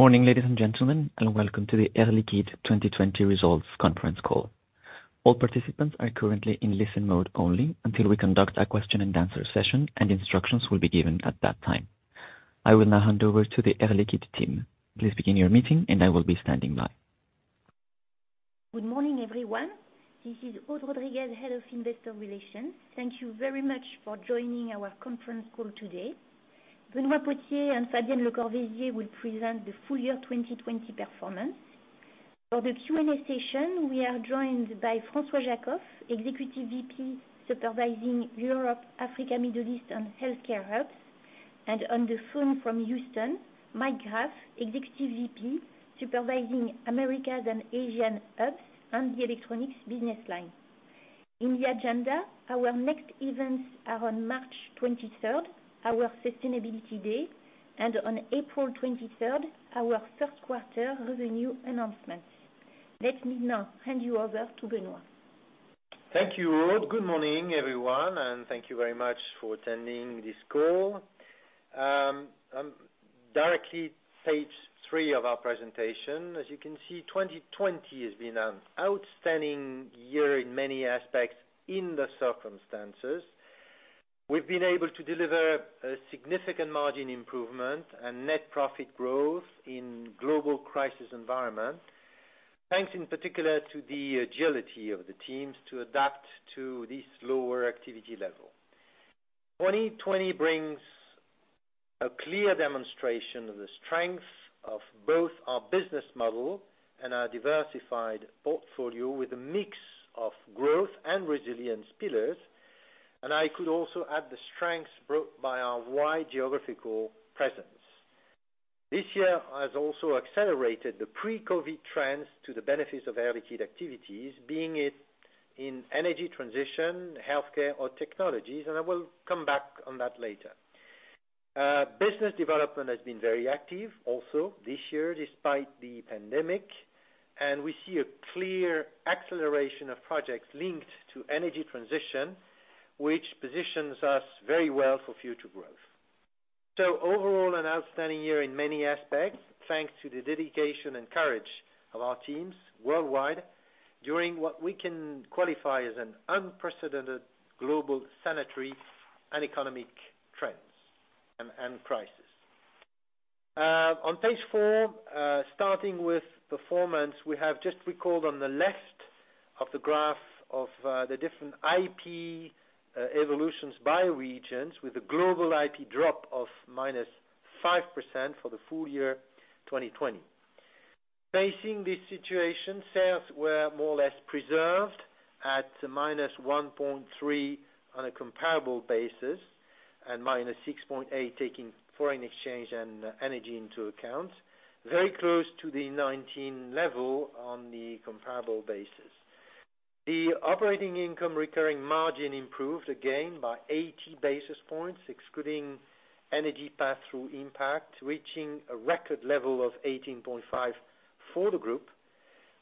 Morning, ladies and gentlemen, and welcome to the Air Liquide 2020 Results Conference Call. All participants are currently in listen mode only until we conduct our question and-answer-session, and instructions will be given at that time. I will now hand over to the Air Liquide team. Please begin your meeting and I will be standing by. Good morning, everyone. This is Aude Rodriguez, Head of Investor Relations. Thank you very much for joining our conference call today. Benoît Potier and Fabienne Lecorvaisier will present the full year 2020 performance. For the Q&A session, we are joined by François Jackow, Executive Vice President, supervising Europe, Africa-Middle East and Healthcare Hubs. On the phone from Houston, Mike Graff, Executive Vice President, supervising Americas and Asian Hubs and the Electronics Business Line. In the agenda, our next events are on March 23rd, our Sustainability Day, and on April 23rd, our first quarter revenue announcements. Let me now hand you over to Benoît. Thank you, Aude. Good morning, everyone. Thank you very much for attending this call. Directly page three of our presentation. As you can see, 2020 has been an outstanding year in many aspects, in the circumstances. We've been able to deliver a significant margin improvement and net profit growth in global crisis environment. Thanks in particular to the agility of the teams to adapt to this lower activity level. 2020 brings a clear demonstration of the strength of both our business model and our diversified portfolio with a mix of growth and resilience pillars. I could also add the strengths brought by our wide geographical presence. This year has also accelerated the pre-COVID trends to the benefits of Air Liquide activities, being it in energy transition, healthcare, or technologies. I will come back on that later. Business development has been very active also this year, despite the pandemic. We see a clear acceleration of projects linked to energy transition, which positions us very well for future growth. Overall, an outstanding year in many aspects, thanks to the dedication and courage of our teams worldwide during what we can qualify as an unprecedented global sanitary and economic trends and crisis. On page four, starting with performance, we have just recalled on the left of the graph of the different OIR evolutions by regions with a global OIR drop of -5% for the full year 2020. Facing this situation, sales were more or less preserved at -1.3% on a comparable basis and -6.8% taking foreign exchange and energy into account, very close to the 2019 level on the comparable basis. The operating income recurring margin improved again by 80 basis points, excluding energy pass-through impact, reaching a record level of 18.5% for the group,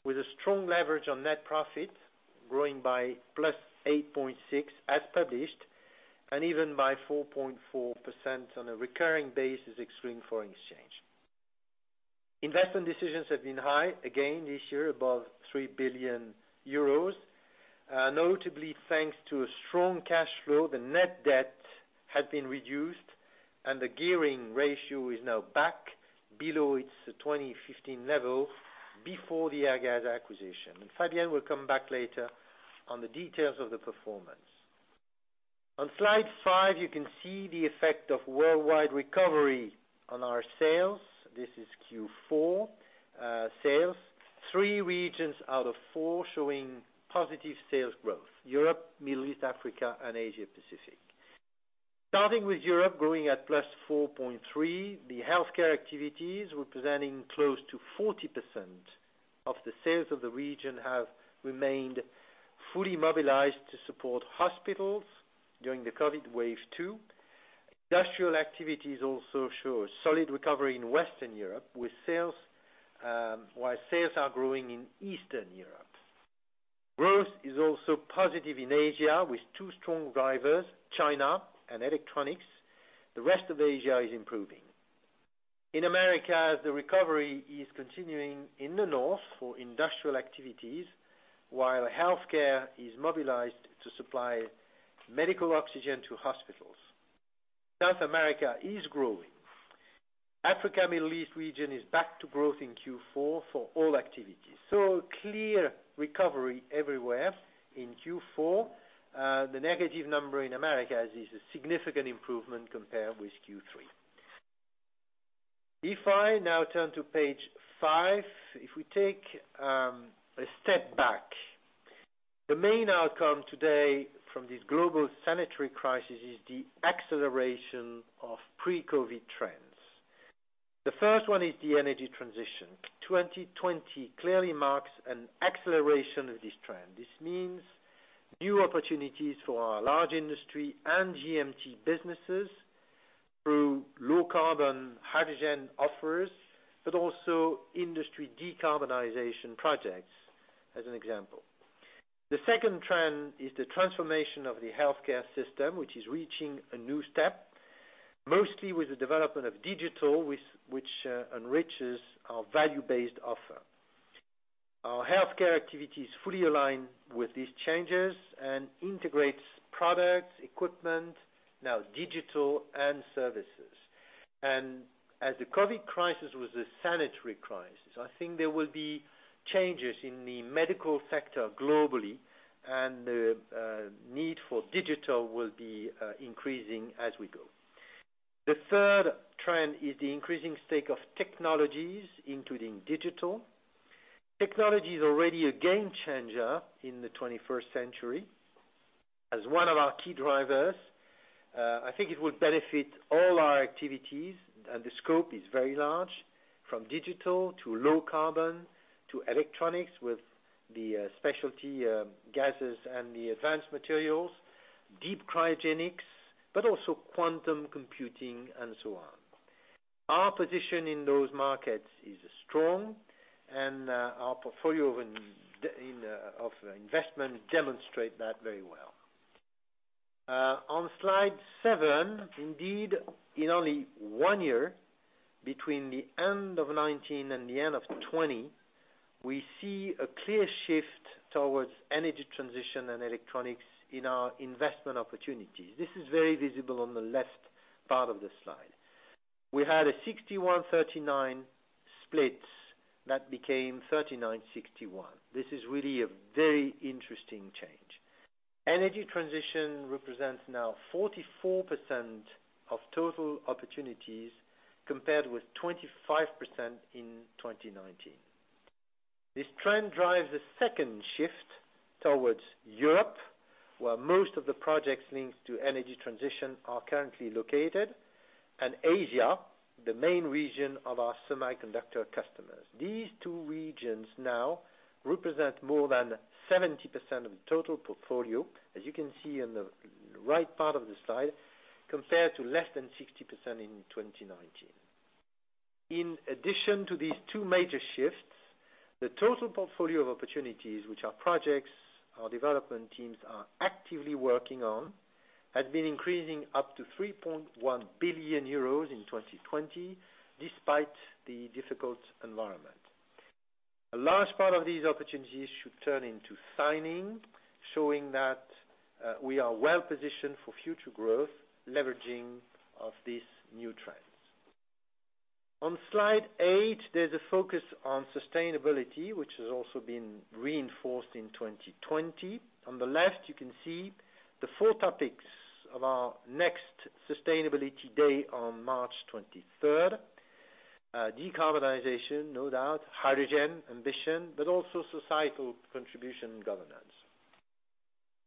with a strong leverage on net profit growing by +8.6% as published, and even by 4.4% on a recurring basis excluding foreign exchange. Investment decisions have been high again this year, above 3 billion euros. Notably, thanks to a strong cash flow, the net debt has been reduced, and the gearing ratio is now back below its 2015 level before the Airgas acquisition. Fabienne Lecorvaisier will come back later on the details of the performance. On slide five, you can see the effect of worldwide recovery on our sales. This is Q4 sales. Three regions out of four showing positive sales growth: Europe, Middle East, Africa and Asia Pacific. Starting with Europe growing at +4.3%, the healthcare activities representing close to 40% of the sales of the region have remained fully mobilized to support hospitals during the COVID Wave 2. Industrial activities also show a solid recovery in Western Europe, while sales are growing in Eastern Europe. Growth is also positive in Asia, with two strong drivers, China and electronics. The rest of Asia is improving. In Americas, the recovery is continuing in the North for industrial activities, while healthcare is mobilized to supply medical oxygen to hospitals. South America is growing. Africa-Middle East region is back to growth in Q4 for all activities. A clear recovery everywhere in Q4. The negative number in Americas is a significant improvement compared with Q3. I now turn to page five. If we take a step back, the main outcome today from this global sanitary crisis is the acceleration of pre-COVID trends. The first one is the energy transition. 2020 clearly marks an acceleration of this trend. This means new opportunities for our large industry and GMT businesses through low carbon hydrogen offers, but also industry decarbonization projects, as an example. The second trend is the transformation of the healthcare system, which is reaching a new step, mostly with the development of digital, which enriches our value-based offer. Our healthcare activities fully align with these changes and integrates products, equipment, now digital and services. As the COVID crisis was a sanitary crisis, I think there will be changes in the medical sector globally, and the need for digital will be increasing as we go. The third trend is the increasing stake of technologies, including digital. Technology is already a game changer in the 21st century. As one of our key drivers, I think it will benefit all our activities, and the scope is very large, from digital to low carbon to electronics with the specialty gases and the advanced materials, deep cryogenics, but also quantum computing and so on. Our portfolio of investment demonstrate that very well. On slide seven, indeed, in only one year, between the end of 2019 and the end of 2020, we see a clear shift towards energy transition and electronics in our investment opportunities. This is very visible on the left part of the slide. We had a 61/39 split that became 39/61. This is really a very interesting change. Energy transition represents now 44% of total opportunities, compared with 25% in 2019. This trend drives a second shift towards Europe, where most of the projects linked to energy transition are currently located, and Asia, the main region of our semiconductor customers. These two regions now represent more than 70% of the total portfolio, as you can see on the right part of the slide, compared to less than 60% in 2019. In addition to these two major shifts, the total portfolio of opportunities, which are projects our development teams are actively working on, has been increasing up to 3.1 billion euros in 2020, despite the difficult environment. A large part of these opportunities should turn into signing, showing that we are well-positioned for future growth, leveraging of these new trends. On slide eight, there's a focus on sustainability, which has also been reinforced in 2020. On the left, you can see the four topics of our next Sustainability Day on March 23rd. Decarbonization, no doubt, hydrogen ambition, but also societal contribution and governance.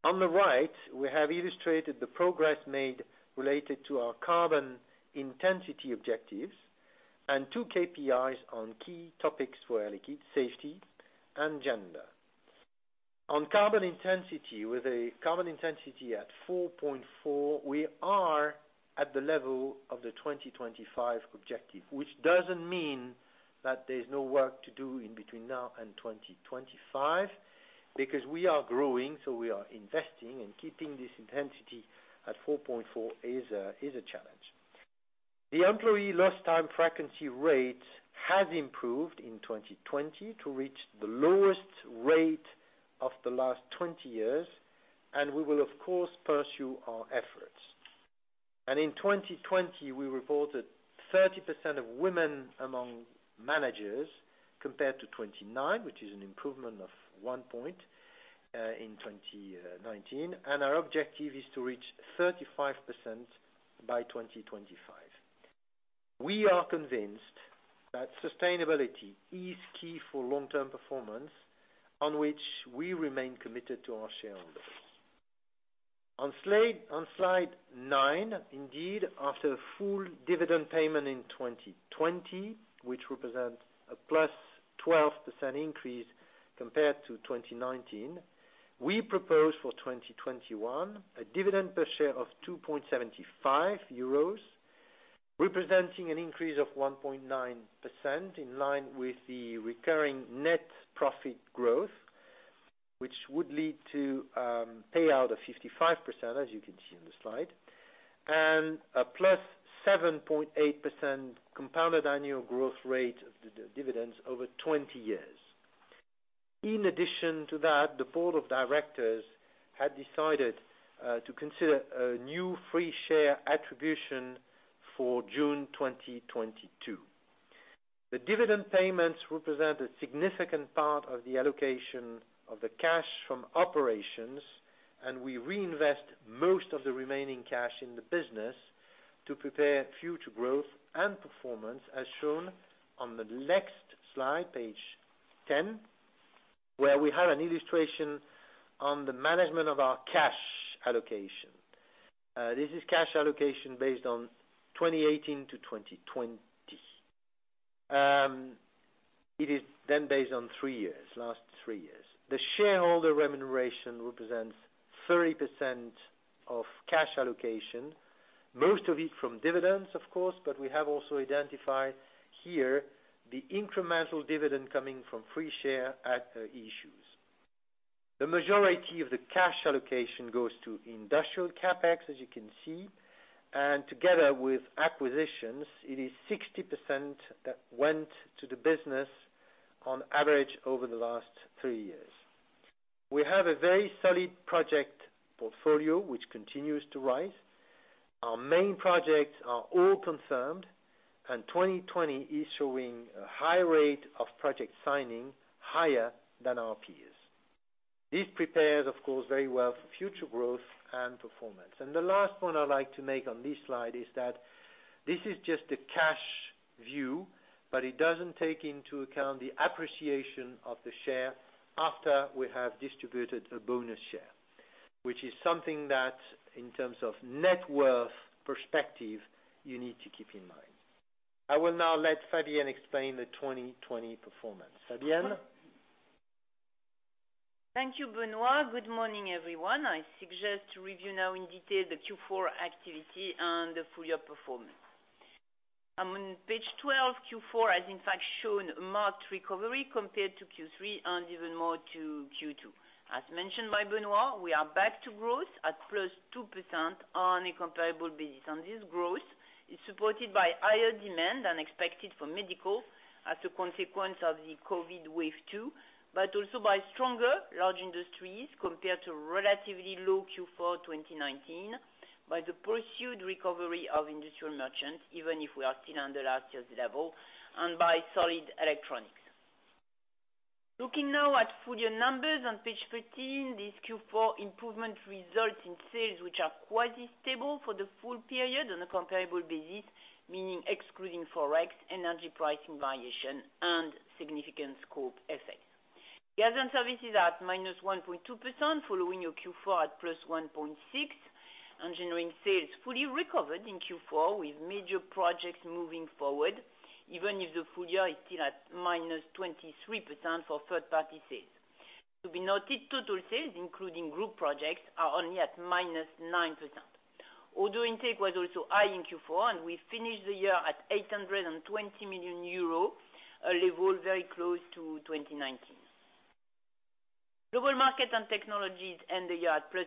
On the right, we have illustrated the progress made related to our carbon intensity objectives and two KPIs on key topics for Air Liquide: safety and gender. On carbon intensity, with a carbon intensity at 4.4, we are at the level of the 2025 objective, which doesn't mean that there's no work to do in between now and 2025, because we are growing, so we are investing, and keeping this intensity at 4.4 is a challenge. The employee lost time frequency rate has improved in 2020 to reach the lowest rate of the last 20 years, we will, of course, pursue our efforts. In 2020, we reported 30% of women among managers compared to 29%, which is an improvement of one point, in 2019. Our objective is to reach 35% by 2025. We are convinced that sustainability is key for long-term performance on which we remain committed to our shareholders. On slide nine, indeed, after a full dividend payment in 2020, which represents a +12% increase compared to 2019, we propose for 2021 a dividend per share of 2.75 euros, representing an increase of 1.9% in line with the recurring net profit growth, which would lead to payout of 55%, as you can see on the slide, and a +7.8% compounded annual growth rate of dividends over 20 years. In addition to that, the board of directors had decided to consider a new free share attribution for June 2022. The dividend payments represent a significant part of the allocation of the cash from operations, and we reinvest most of the remaining cash in the business to prepare future growth and performance, as shown on the next slide, page 10, where we have an illustration on the management of our cash allocation. This is cash allocation based on 2018 to 2020. It is then based on three years, last three years. The shareholder remuneration represents 30% of cash allocation. Most of it from dividends, of course, but we have also identified here the incremental dividend coming from free share at issues. The majority of the cash allocation goes to industrial CapEx, as you can see, and together with acquisitions, it is 60% that went to the business on average over the last three years. We have a very solid project portfolio, which continues to rise. Our main projects are all confirmed. 2020 is showing a high rate of project signing, higher than our peers. This prepares, of course, very well for future growth and performance. The last point I'd like to make on this slide is that this is just a cash view, but it doesn't take into account the appreciation of the share after we have distributed a bonus share, which is something that, in terms of net worth perspective, you need to keep in mind. I will now let Fabienne explain the 2020 performance. Fabienne? Thank you, Benoît. Good morning, everyone. I suggest to review now in detail the Q4 activity and the full year performance. On page 12, Q4 has in fact shown marked recovery compared to Q3 and even more to Q2. As mentioned by Benoît, we are back to growth at +2% on a comparable basis. This growth is supported by higher demand than expected for medical as a consequence of the COVID wave two, but also by stronger large industries compared to relatively low Q4 2019, by the pursued recovery of Industrial Merchant, even if we are still under last year's level, and by solid Electronics. Looking now at full year numbers on page 13, this Q4 improvement results in sales which are quasi stable for the full period on a comparable basis, meaning excluding ForEx, energy pricing variation, and significant scope effects. Gas and services at -1.2% following a Q4 at +1.6%, engineering sales fully recovered in Q4 with major projects moving forward, even if the full year is still at -23% for third-party sales. To be noted, total sales including group projects are only at -9%. Order intake was also high in Q4. We finished the year at 820 million euro, a level very close to 2019. Global Markets and Technologies end the year at +6%,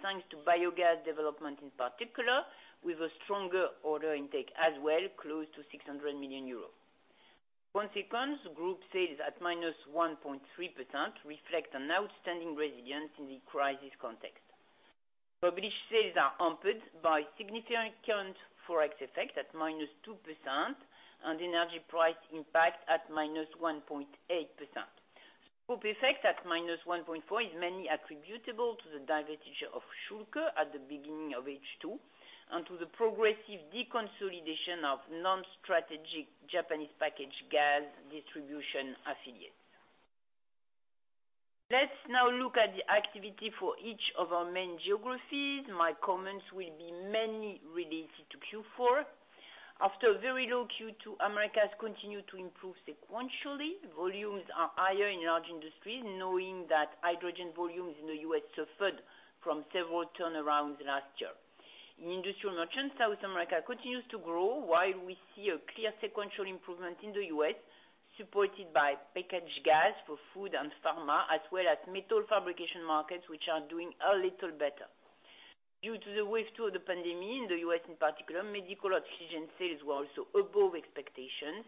thanks to biogas development in particular, with a stronger order intake as well, close to 600 million euros. Consequently, group sales at -1.3% reflect an outstanding resilience in the crisis context. Published sales are hampered by significant current ForEx effect at -2% and energy price impact at -1.8%. Scope effect at -1.4% is mainly attributable to the divestiture of schülke at the beginning of H2 and to the progressive deconsolidation of non-strategic Japanese packaged gas distribution affiliates. Let's now look at the activity for each of our main geographies. My comments will be mainly related to Q4. After a very low Q2, Americas continued to improve sequentially. Volumes are higher in large industries, knowing that hydrogen volumes in the U.S. suffered from several turnarounds last year. In Industrial Merchant, South America continues to grow while we see a clear sequential improvement in the U.S., supported by packaged gas for food and pharma, as well as metal fabrication markets, which are doing a little better. Due to the wave two of the pandemic in the U.S. in particular, medical oxygen sales were also above expectations,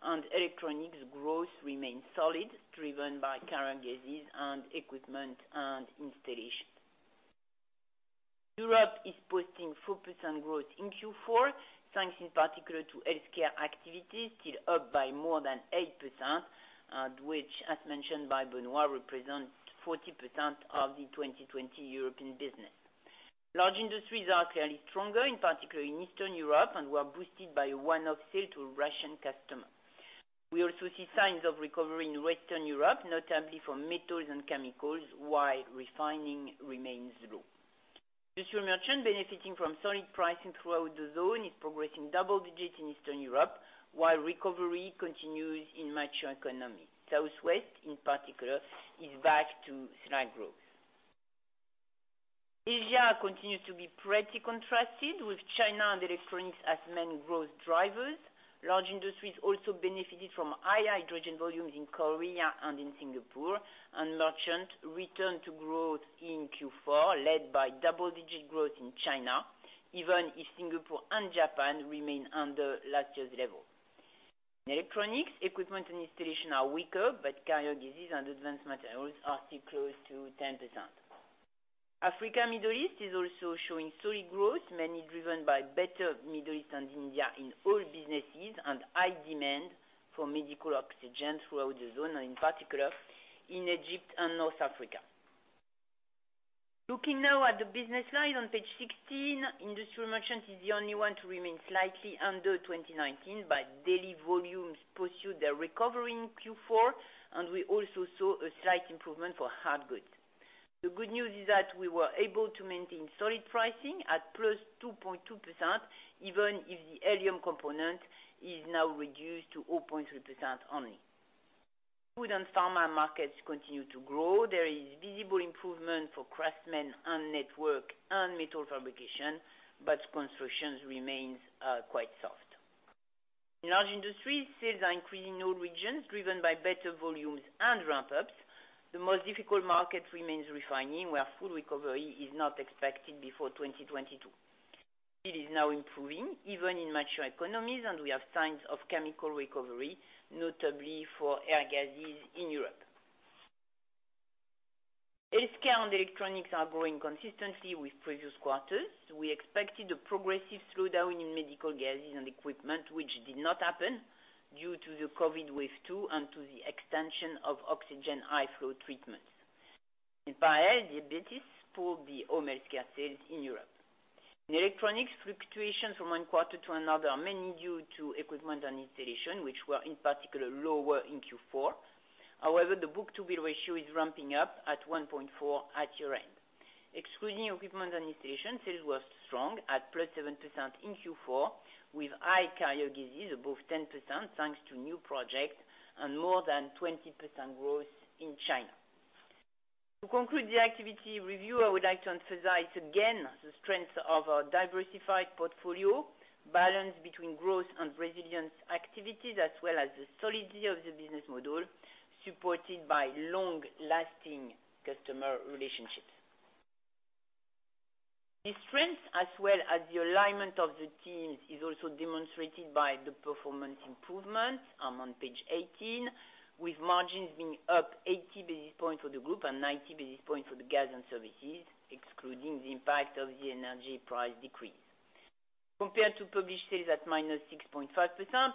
and Electronics growth remained solid, driven by carrier gases and equipment and installation. Europe is posting 4% growth in Q4, thanks in particular to healthcare activity, still up by more than 8%, and which, as mentioned by Benoît, represents 40% of the 2020 European business. Large industries are clearly stronger, in particular in Eastern Europe, and were boosted by a one-off sale to a Russian customer. We also see signs of recovery in Western Europe, notably for metals and chemicals, while refining remains low. Industrial Merchant benefiting from solid pricing throughout the zone is progressing double digits in Eastern Europe while recovery continues in mature economies. Southwest, in particular, is back to slight growth. Asia continues to be pretty contrasted with China and Electronics as main growth drivers. Large industries also benefited from higher hydrogen volumes in Korea and in Singapore, Industrial Merchant returned to growth in Q4, led by double-digit growth in China, even if Singapore and Japan remain under last year's level. In Electronics, equipment and installation are weaker, but carrier gases and advanced materials are still close to 10%. Africa-Middle East is also showing solid growth, mainly driven by better Middle East and India in all businesses and high demand for medical oxygen throughout the zone, and in particular, in Egypt and North Africa. Looking now at the business line on page 16, Industrial Merchant is the only one to remain slightly under 2019, daily volumes pursued their recovery in Q4, we also saw a slight improvement for hard goods. The good news is that we were able to maintain solid pricing at +2.2%, even if the helium component is now reduced to 0.3% only. Food and pharma markets continue to grow. There is visible improvement for craftsmen and network and metal fabrication, but constructions remains quite soft. In large industries, sales are increasing in all regions, driven by better volumes and ramp-ups. The most difficult market remains refining, where full recovery is not expected before 2022. It is now improving, even in mature economies, and we have signs of chemical recovery, notably for air gases in Europe. Healthcare and electronics are growing consistently with previous quarters. We expected a progressive slowdown in medical gases and equipment, which did not happen due to the COVID wave 2 and to the extension of oxygen high flow treatments. In parallel, diabetes pulled the home healthcare sales in Europe. In electronics, fluctuations from one quarter to another are mainly due to equipment and installation, which were in particular lower in Q4. The book-to-bill ratio is ramping up at 1.4 at year-end. Excluding equipment and installation, sales were strong at +7% in Q4, with high carrier gases above 10%, thanks to new projects and more than 20% growth in China. To conclude the activity review, I would like to emphasize again the strength of our diversified portfolio, balance between growth and resilience activities, as well as the solidity of the business model, supported by long-lasting customer relationships. The strength as well as the alignment of the teams is also demonstrated by the performance improvement on page 18, with margins being up 80 basis points for the group and 90 basis points for the gas and services, excluding the impact of the energy price decrease. Compared to published sales at -6.5%,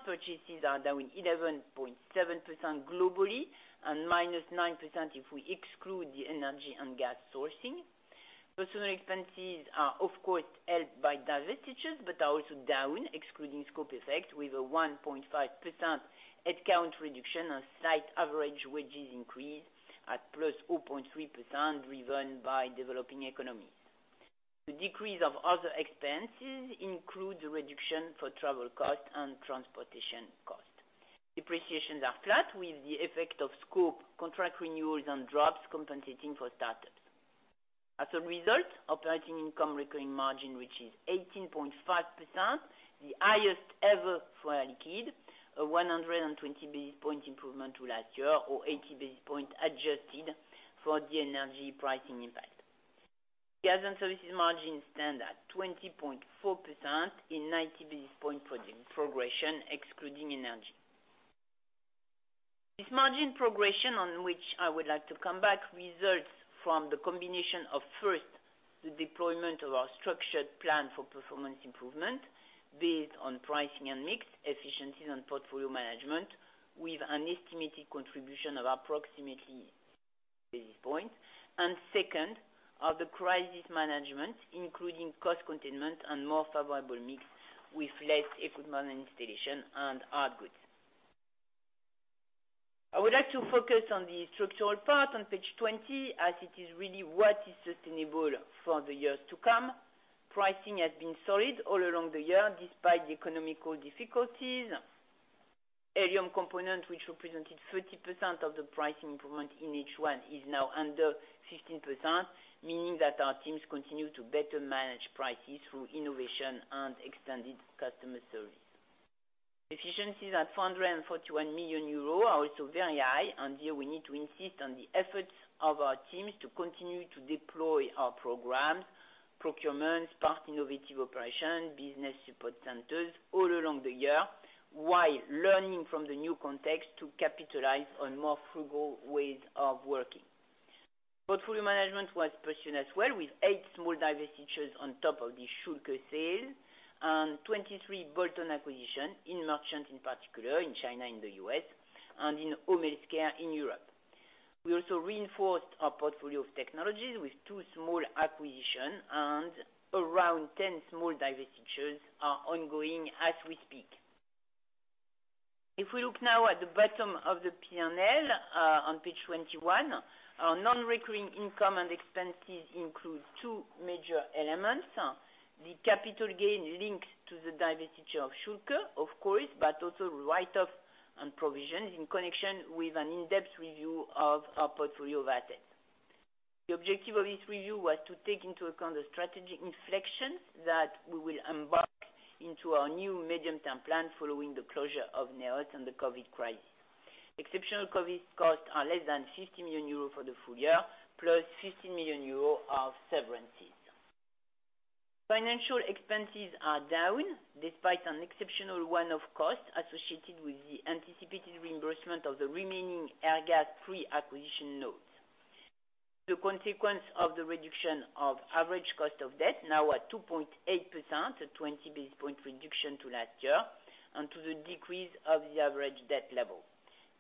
purchases are down 11.7% globally and -9% if we exclude the energy and gas sourcing. Personal expenses are of course helped by divestitures, but are also down excluding scope effect, with a 1.5% headcount reduction and slight average wages increase at +0.3%, driven by developing economies. The decrease of other expenses includes a reduction for travel cost and transportation cost. Depreciations are flat, with the effect of scope, contract renewals and drops compensating for startups. As a result, Operating Income Recurring margin, which is 18.5%, the highest ever for Air Liquide, a 120 basis point improvement to last year or 80 basis point adjusted for the energy pricing impact. Gas and Services margin stand at 20.4% and 90 basis point for the progression excluding energy. This margin progression, on which I would like to come back, results from the combination of first, the deployment of our structured plan for performance improvement based on pricing and mix, efficiencies and portfolio management, with an estimated contribution of approximately basis point. Second, our crisis management, including cost containment and more favorable mix with less equipment and installation and hard goods. I would like to focus on the structural part on page 20, as it is really what is sustainable for the years to come. Pricing has been solid all along the year, despite the economic difficulties. helium component, which represented 30% of the price improvement in H1, is now under 15%, meaning that our teams continue to better manage prices through innovation and extended customer service. Efficiencies at 441 million euros are also very high. Here, we need to insist on the efforts of our teams to continue to deploy our programs, procurements, partner innovative operation, business support centers, all along the year, while learning from the new context to capitalize on more frugal ways of working. Portfolio management was pursued as well, with eight small divestitures on top of the schülke sale and 23 bolt-on acquisition, in merchant in particular, in China and the U.S., and in home healthcare in Europe. We also reinforced our portfolio of technologies with two small acquisition. Around 10 small divestitures are ongoing as we speak. If we look now at the bottom of the P&L, on page 21, our non-recurring income and expenses include two major elements. The capital gain linked to the divestiture of schülke, of course, but also write-off and provisions in connection with an in-depth review of our portfolio of assets. The objective of this review was to take into account the strategic inflection that we will embark into our new medium-term plan following the closure of NEOS and the COVID crisis. Exceptional COVID costs are less than 50 million euros for the full year, +15 million euros of severances. Financial expenses are down, despite an exceptional one-off cost associated with the anticipated reimbursement of the remaining Airgas pre-acquisition notes. The consequence of the reduction of average cost of debt, now at 2.8%, a 20 basis point reduction to last year, and to the decrease of the average debt level.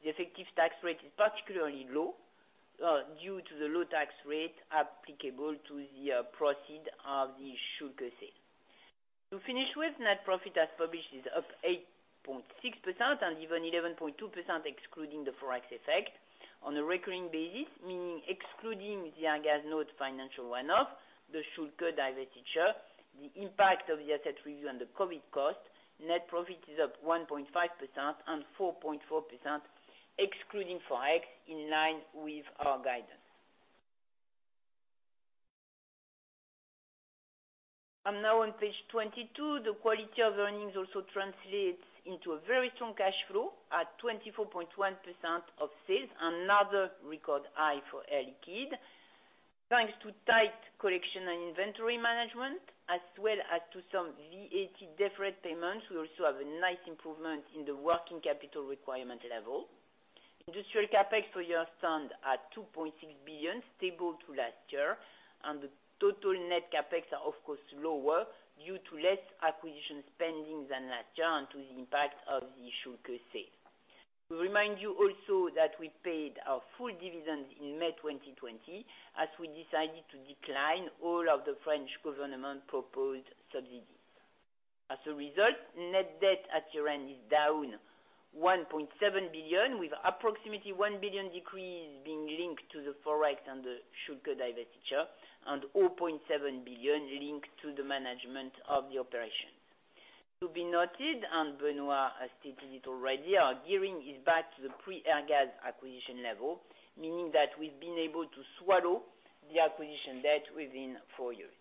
The effective tax rate is particularly low, due to the low tax rate applicable to the proceed of the schülke sale. To finish with, net profit as published is up 8.6% and even 11.2% excluding the ForEx effect. On a recurring basis, meaning excluding the Airgas net financial one-off, the schülke divestiture, the impact of the asset review, and the COVID cost, net profit is up 1.5% and 4.4% excluding ForEx, in line with our guidance. Now on page 22, the quality of earnings also translates into a very strong cash flow at 24.1% of sales, another record high for Air Liquide. Thanks to tight collection and inventory management as well as to some VAT deferred payments, we also have a nice improvement in the working capital requirement level. Industrial CapEx for the year stand at 2.6 billion, stable to last year, and the total net CapEx are of course lower due to less acquisition spending than last year and to the impact of the schülke sale. To remind you also that we paid our full dividends in May 2020, as we decided to decline all of the French government proposed subsidies. As a result, net debt at year-end is down 1.7 billion, with approximately 1 billion decrease being linked to the ForEx and the schülke divestiture, and 0.7 billion linked to the management of the operations. To be noted, and Benoît has stated it already, our gearing is back to the pre-Airgas acquisition level, meaning that we've been able to swallow the acquisition debt within four years.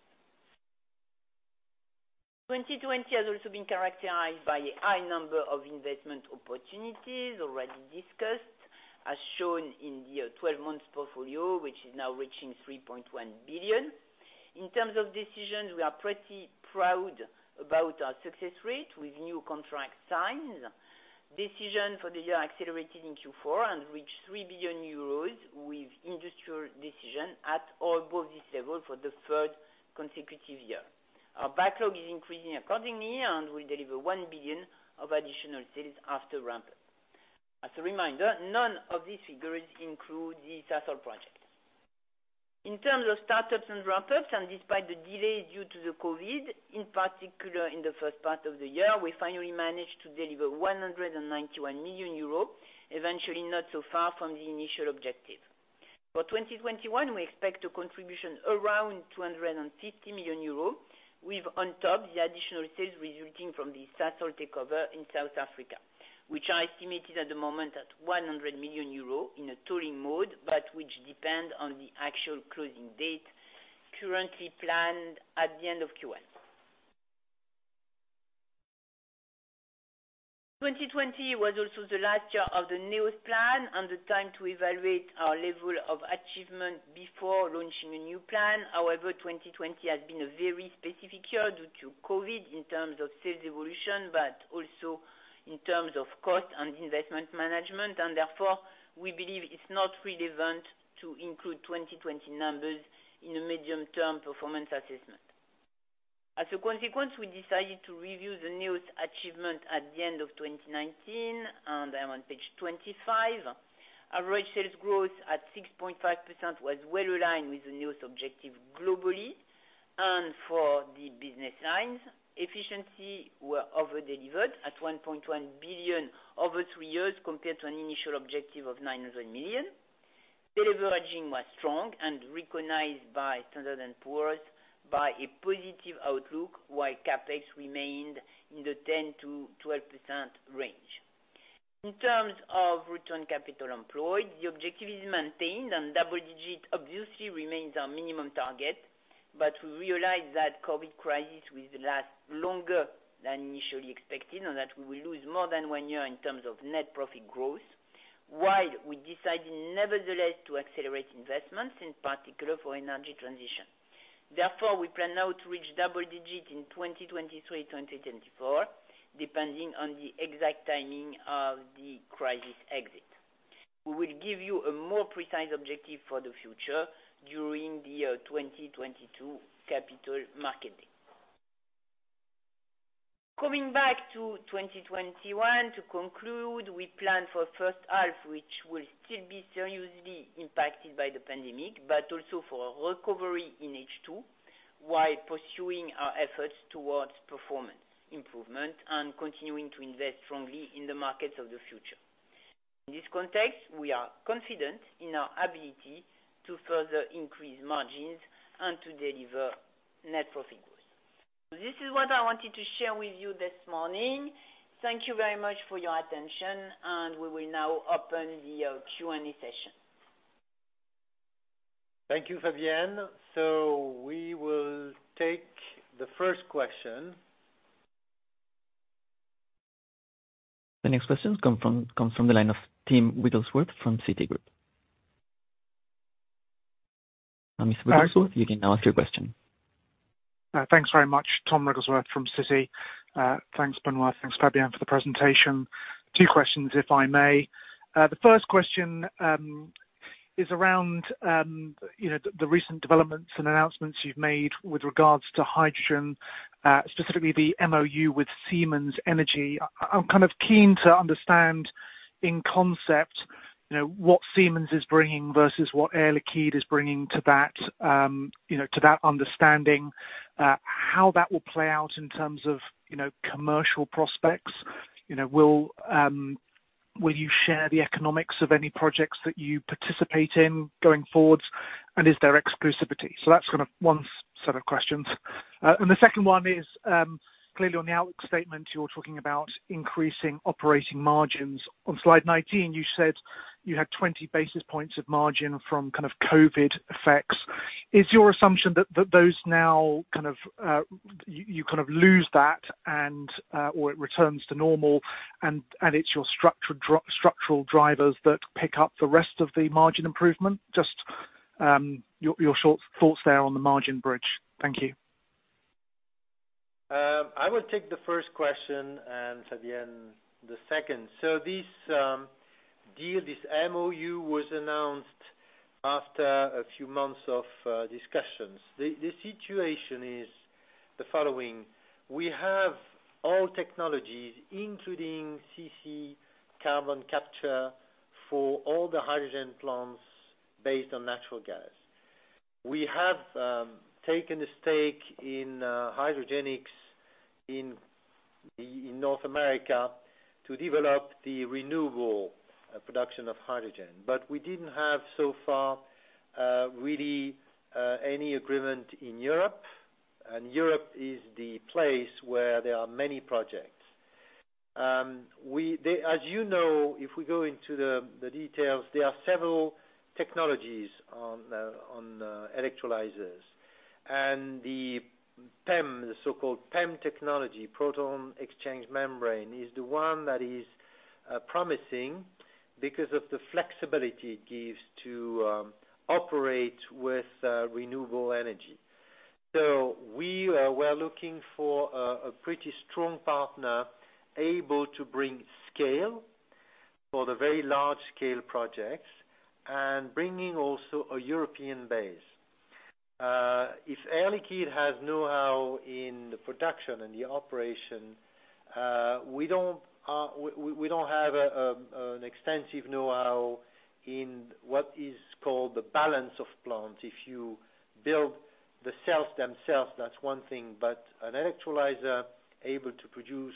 2020 has also been characterized by a high number of investment opportunities already discussed, as shown in the 12 months portfolio, which is now reaching 3.1 billion. In terms of decisions, we are pretty proud about our success rate with new contract signs. Decision for the year accelerated in Q4 and reached 3 billion euros with industrial decision at or above this level for the third consecutive year. Our backlog is increasing accordingly, and we deliver 1 billion of additional sales after ramp-up. As a reminder, none of these figures include the Sasol project. In terms of startups and ramp-ups, and despite the delay due to the COVID, in particular in the first part of the year, we finally managed to deliver 191 million euros, eventually not so far from the initial objective. For 2021, we expect a contribution around 250 million euros, with on top the additional sales resulting from the Sasol takeover in South Africa, which are estimated at the moment at 100 million euros in a touring mode, but which depend on the actual closing date currently planned at the end of Q1. 2020 was also the last year of the NEOS plan and the time to evaluate our level of achievement before launching a new plan. 2020 has been a very specific year due to COVID in terms of sales evolution, but also in terms of cost and investment management, and therefore, we believe it's not relevant to include 2020 numbers in a medium-term performance assessment. As a consequence, we decided to review the NEOS achievement at the end of 2019, and I'm on page 25. Average sales growth at 6.5% was well-aligned with the NEOS objective globally. For the business lines, efficiency were over-delivered at 1.1 billion over three years compared to an initial objective of 900 million. Deleveraging was strong and recognized by Standard & Poor's by a positive outlook, while CapEx remained in the 10%-12% range. In terms of return capital employed, the objective is maintained, and double digit obviously remains our minimum target. We realize that COVID crisis will last longer than initially expected and that we will lose more than one year in terms of net profit growth, while we decided nevertheless to accelerate investments, in particular for energy transition. Therefore, we plan now to reach double digit in 2023-2024, depending on the exact timing of the crisis exit. We will give you a more precise objective for the future during the year 2022 Capital Market Day. Coming back to 2021, to conclude, we plan for a first half, which will still be seriously impacted by the pandemic, but also for a recovery in H2, while pursuing our efforts towards performance improvement and continuing to invest strongly in the markets of the future. In this context, we are confident in our ability to further increase margins and to deliver net profit growth. This is what I wanted to share with you this morning. Thank you very much for your attention. We will now open the Q&A session. Thank you, Fabienne. We will take the first question. The next question comes from the line of Tom Wrigglesworth from Citigroup. Mr. Wrigglesworth, you can now ask your question. Thanks very much. Tom Wrigglesworth from Citi. Thanks, Benoît. Thanks, Fabienne, for the presentation. Two questions, if I may. The first question is around the recent developments and announcements you've made with regards to hydrogen, specifically the MoU with Siemens Energy. I'm kind of keen to understand in concept what Siemens is bringing versus what Air Liquide is bringing to that understanding, how that will play out in terms of commercial prospects. Will you share the economics of any projects that you participate in going forward, and is there exclusivity? That's one set of questions. The second one is, clearly on the outlook statement, you're talking about increasing operating margins. On slide 19, you said you had 20 basis points of margin from COVID effects. Is your assumption that you now lose that or it returns to normal, and it's your structural drivers that pick up the rest of the margin improvement? Just your thoughts there on the margin bridge. Thank you. I will take the first question, and Fabienne the second. This deal, this MOU was announced after a few months of discussions. The situation is the following. We have all technologies, including CC carbon capture for all the hydrogen plants based on natural gas. We have taken a stake in Hydrogenics in North America to develop the renewable production of hydrogen. We didn't have, so far, really any agreement in Europe, and Europe is the place where there are many projects. As you know, if we go into the details, there are several technologies on electrolyzers. The PEM, the so-called PEM technology, proton exchange membrane, is the one that is promising because of the flexibility it gives to operate with renewable energy. We're looking for a pretty strong partner able to bring scale for the very large-scale projects and bringing also a European base. If Air Liquide has knowhow in the production and the operation, we don't have an extensive knowhow in what is called the balance of plant. If you build the cells themselves, that's one thing, but an electrolyzer able to produce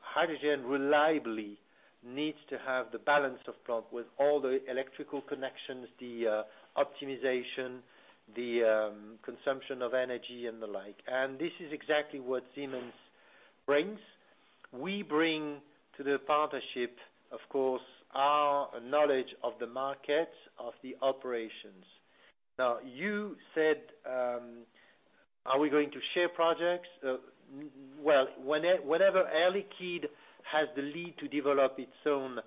hydrogen reliably needs to have the balance of plant with all the electrical connections, the optimization, the consumption of energy, and the like. This is exactly what Siemens brings. We bring to the partnership, of course, our knowledge of the market, of the operations. Now, you said, are we going to share projects? Well, whenever Air Liquide has the lead to develop its own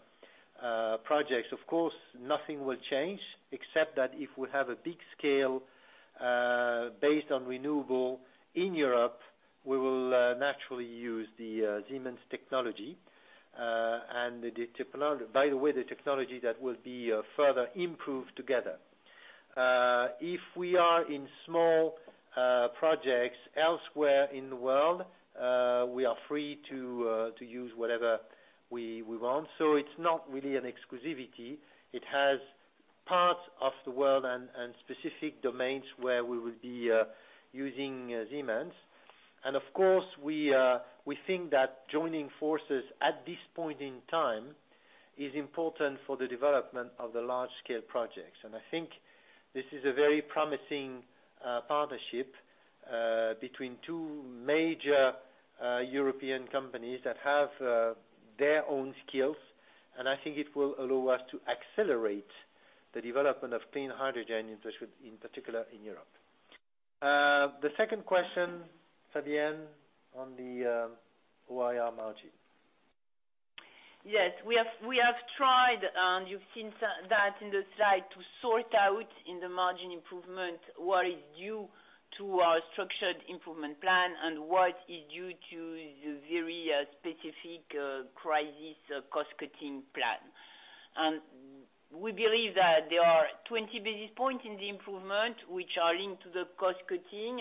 projects, of course, nothing will change except that if we have a big scale based on renewable in Europe, we will naturally use the Siemens technology. By the way, the technology that will be further improved together. If we are in small projects elsewhere in the world, we are free to use whatever we want. It's not really an exclusivity. It has parts of the world and specific domains where we will be using Siemens. Of course, we think that joining forces at this point in time is important for the development of the large-scale projects. I think this is a very promising partnership between two major European companies that have their own skills, and I think it will allow us to accelerate the development of clean hydrogen, in particular in Europe. The second question, Fabienne, on the OIR margin. Yes. We have tried, you've seen that in the slide, to sort out in the margin improvement what is due to our structured improvement plan and what is due to the very specific crisis cost-cutting plan. We believe that there are 20 basis points in the improvement which are linked to the cost cutting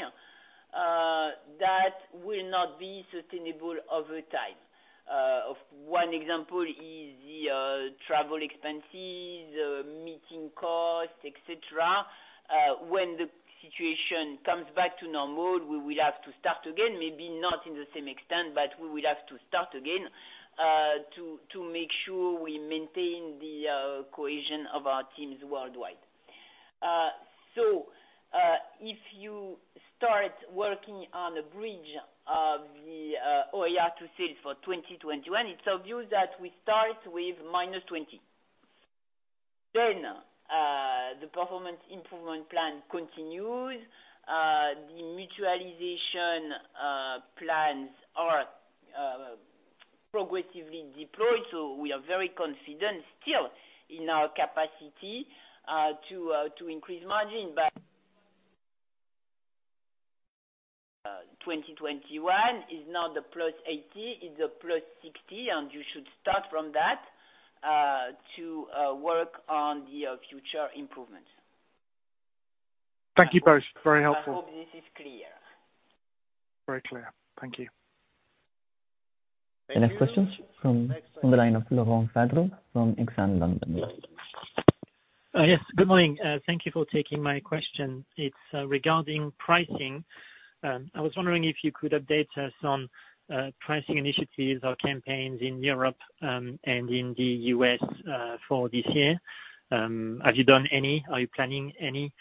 that will not be sustainable over time. One example is the travel expenses, meeting cost, et cetera. When the situation comes back to normal, we will have to start again, maybe not in the same extent, but we will have to start again, to make sure we maintain the cohesion of our teams worldwide. If you start working on a bridge of the OIR to sales for 2021, it's obvious that we start with -20. The performance improvement plan continues. The mutualization plans are progressively deployed, so we are very confident still in our capacity to increase margin. 2021 is not the +80, it's a +60, and you should start from that, to work on the future improvements. Thank you both. Very helpful. I hope this is clear. Very clear. Thank you. Thank you. The next question's from the line of Laurent Favre from Exane BNP Paribas. Yes. Good morning. Thank you for taking my question. It's regarding pricing. I was wondering if you could update us on pricing initiatives or campaigns in Europe and in the U.S. for this year. Have you done any? Are you planning any?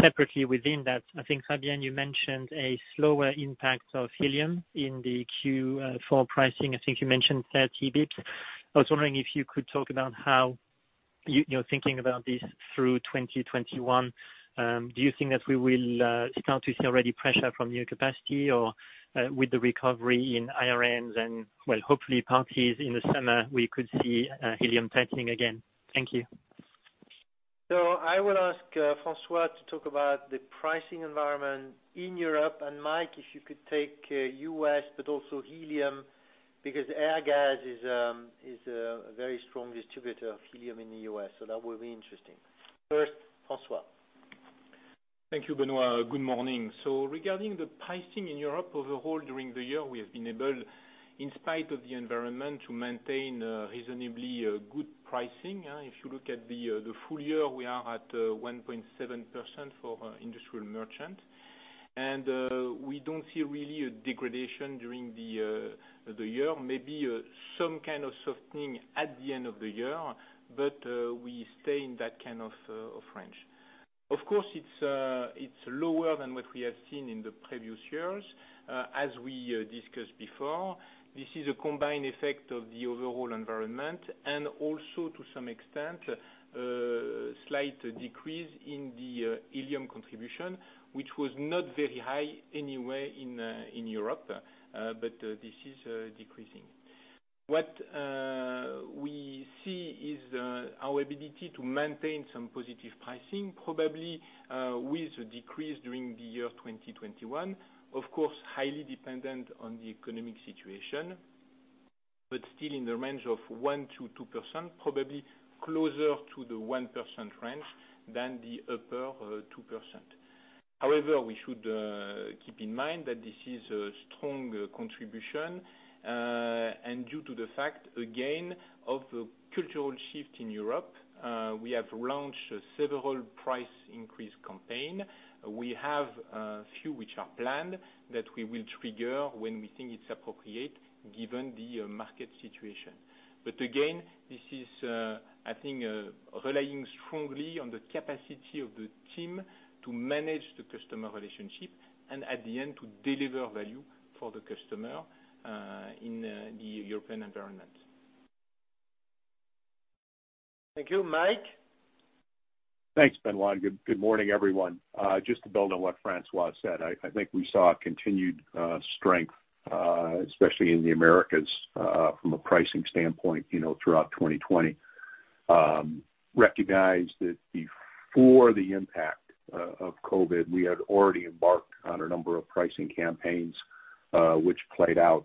Separately within that, I think, Fabienne, you mentioned a slower impact of helium in the Q4 pricing. I think you mentioned 30 basis points. I was wondering if you could talk about how you're thinking about this through 2021. Do you think that we will start to see already pressure from new capacity or, with the recovery in IRNs and, well, hopefully parties in the summer, we could see helium tightening again. Thank you. I will ask François to talk about the pricing environment in Europe. Mike, if you could take U.S., but also helium, because Airgas is a very strong distributor of helium in the U.S. That will be interesting. First, François. Thank you, Benoît. Good morning. Regarding the pricing in Europe, overall during the year, we have been able, in spite of the environment, to maintain reasonably good pricing. If you look at the full year, we are at 1.7% for Industrial Merchant. We don't see really a degradation during the year. Maybe some kind of softening at the end of the year, but we stay in that kind of range. Of course, it's lower than what we have seen in the previous years. As we discussed before, this is a combined effect of the overall environment and also, to some extent, a slight decrease in the helium contribution, which was not very high anyway in Europe. This is decreasing. What we see is our ability to maintain some positive pricing, probably with a decrease during the year 2021. Of course, highly dependent on the economic situation, but still in the range of 1% to 2%, probably closer to the 1% range than the upper 2%. However, we should keep in mind that this is a strong contribution. Due to the fact, again, of the cultural shift in Europe, we have launched several price increase campaign. We have a few which are planned that we will trigger when we think it's appropriate given the market situation. Again, this is, I think relying strongly on the capacity of the team to manage the customer relationship and at the end, to deliver value for the customer in the European environment. Thank you. Mike? Thanks, Benoît. Good morning, everyone. Just to build on what François said, I think we saw a continued strength, especially in the Americas, from a pricing standpoint throughout 2020. Recognize that before the impact of COVID, we had already embarked on a number of pricing campaigns, which played out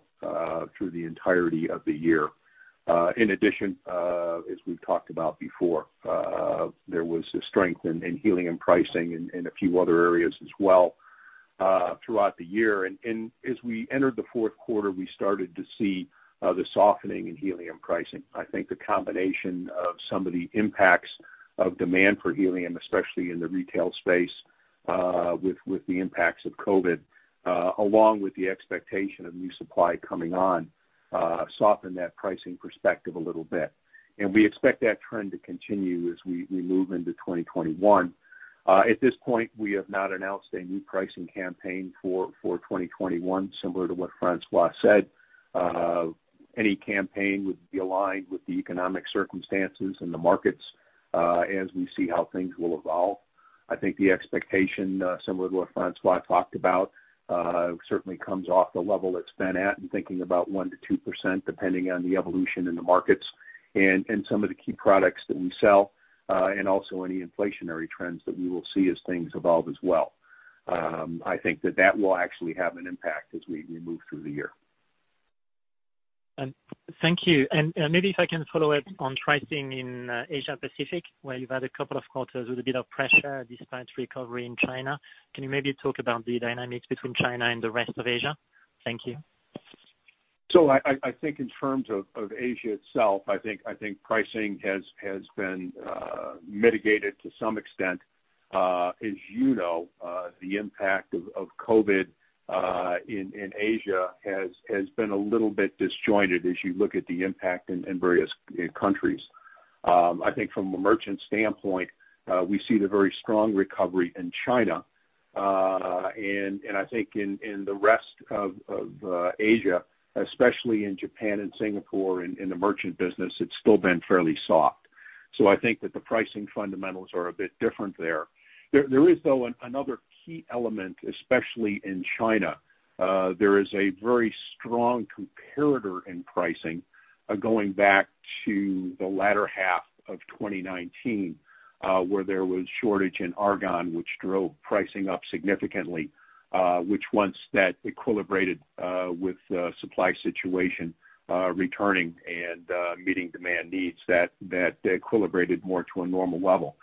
through the entirety of the year. In addition, as we've talked about before, there was a strength in helium pricing in a few other areas as well throughout the year. As we entered the fourth quarter, we started to see the softening in helium pricing. I think the combination of some of the impacts of demand for helium, especially in the retail space, with the impacts of COVID, along with the expectation of new supply coming on, soften that pricing perspective a little bit. We expect that trend to continue as we move into 2021. At this point, we have not announced a new pricing campaign for 2021, similar to what François said. Any campaign would be aligned with the economic circumstances and the markets, as we see how things will evolve. I think the expectation, similar to what François talked about, certainly comes off the level it's been at and thinking about 1%-2%, depending on the evolution in the markets and some of the key products that we sell, and also any inflationary trends that we will see as things evolve as well. I think that that will actually have an impact as we move through the year. Thank you. Maybe if I can follow up on pricing in Asia Pacific, where you've had a couple of quarters with a bit of pressure despite recovery in China. Can you maybe talk about the dynamics between China and the rest of Asia? Thank you. I think in terms of Asia itself, I think pricing has been mitigated to some extent. As you know the impact of COVID in Asia has been a little bit disjointed as you look at the impact in various countries. I think from a merchant standpoint, we see the very strong recovery in China. I think in the rest of Asia, especially in Japan and Singapore in the merchant business, it's still been fairly soft. I think that the pricing fundamentals are a bit different there. There is, though, another key element, especially in China. There is a very strong comparator in pricing going back to the latter half of 2019, where there was shortage in argon, which drove pricing up significantly, which once that equilibrated with supply situation returning and meeting demand needs, that equilibrated more to a normal level.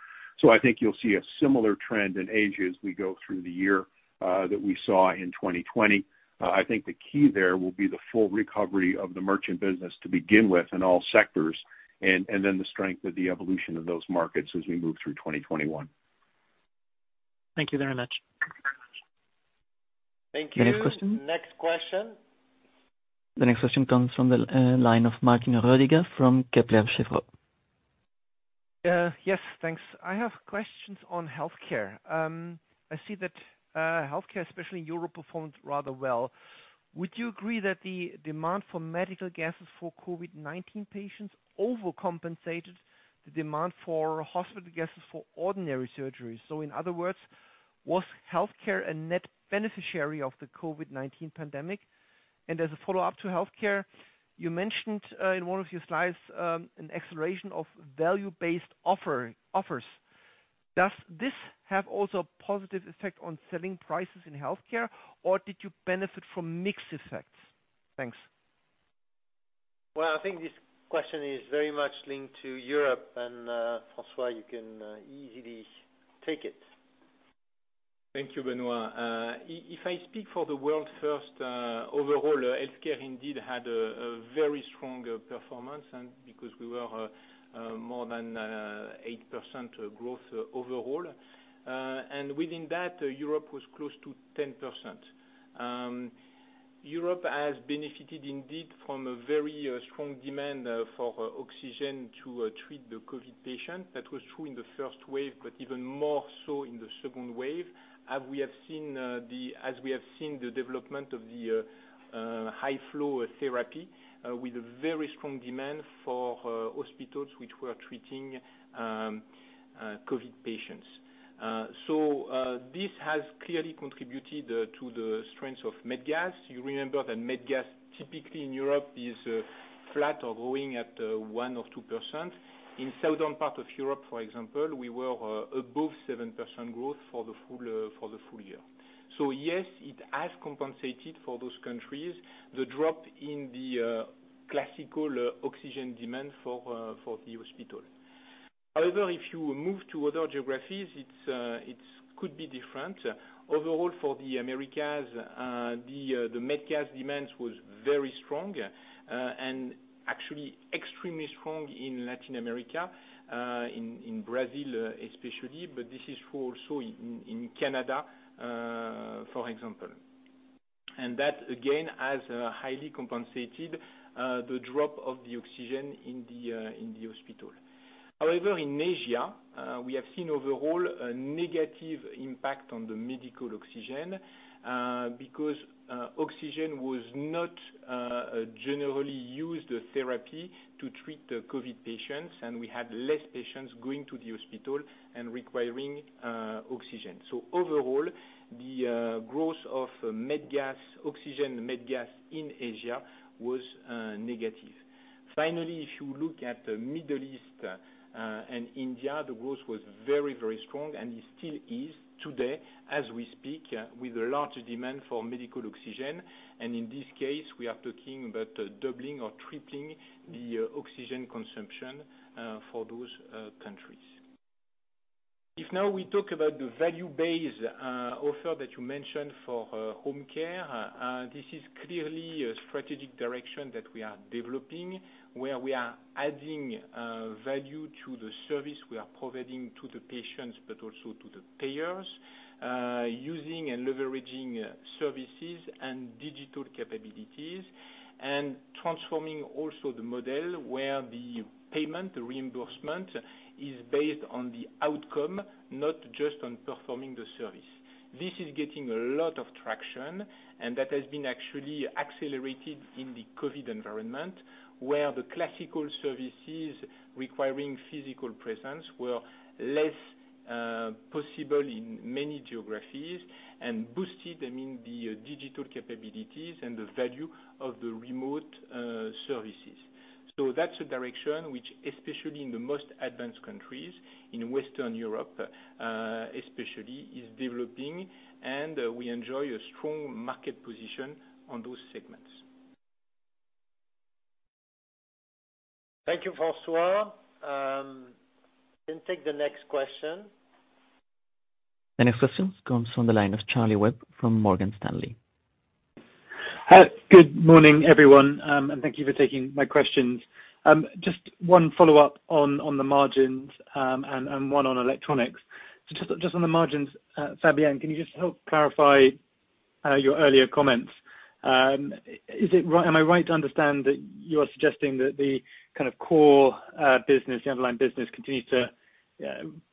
I think you'll see a similar trend in Asia as we go through the year that we saw in 2020. I think the key there will be the full recovery of the merchant business to begin with in all sectors, and then the strength of the evolution of those markets as we move through 2021. Thank you very much. Thank you. Next question. The next question comes from the line of Martin Roediger from Kepler Cheuvreux. Yes, thanks. I have questions on healthcare. I see that healthcare, especially in Europe, performed rather well. Would you agree that the demand for medical gases for COVID-19 patients overcompensated the demand for hospital gases for ordinary surgeries? In other words, was healthcare a net beneficiary of the COVID-19 pandemic? As a follow-up to healthcare, you mentioned in one of your slides an acceleration of value-based offers. Does this have also a positive effect on selling prices in healthcare, or did you benefit from mixed effects? Thanks. Well, I think this question is very much linked to Europe. François, you can easily take it. Thank you, Benoît. If I speak for the world first, overall, healthcare indeed had a very strong performance, because we were more than 8% growth overall. Within that, Europe was close to 10%. Europe has benefited indeed from a very strong demand for oxygen to treat the COVID patient. That was true in the first wave, even more so in the second wave, as we have seen the development of the high flow therapy with a very strong demand for hospitals which were treating COVID patients. This has clearly contributed to the strength of med gas. You remember that med gas, typically in Europe, is flat or growing at 1% or 2%. In southern part of Europe, for example, we were above 7% growth for the full year. Yes, it has compensated for those countries, the drop in the classical oxygen demand for the hospital. If you move to other geographies, it could be different. Overall, for the Americas, the med gas demand was very strong, and actually extremely strong in Latin America, in Brazil especially. This is true also in Canada, for example. That, again, has highly compensated the drop of the oxygen in the hospital. In Asia, we have seen overall a negative impact on the medical oxygen, because oxygen was not a generally used therapy to treat the COVID patients, and we had less patients going to the hospital and requiring oxygen. Overall, the growth of oxygen med gas in Asia was negative. Finally, if you look at Middle East and India, the growth was very strong and it still is today as we speak, with a large demand for medical oxygen. In this case, we are talking about doubling or tripling the oxygen consumption for those countries. If now we talk about the value-based offer that you mentioned for home care, this is clearly a strategic direction that we are developing, where we are adding value to the service we are providing to the patients, but also to the payers. Using and leveraging services and digital capabilities and transforming also the model where the payment, the reimbursement, is based on the outcome, not just on performing the service. This is getting a lot of traction, and that has been actually accelerated in the COVID environment, where the classical services requiring physical presence were less possible in many geographies and boosted the digital capabilities and the value of the remote services. That's a direction which, especially in the most advanced countries in Western Europe especially, is developing, and we enjoy a strong market position on those segments. Thank you, François. We can take the next question. The next question comes from the line of Charlie Webb from Morgan Stanley. Good morning, everyone. Thank you for taking my questions. One follow-up on the margins and one on Electronics. On the margins, Fabienne, can you help clarify your earlier comments? Am I right to understand that you are suggesting that the core business, the underlying business, continues to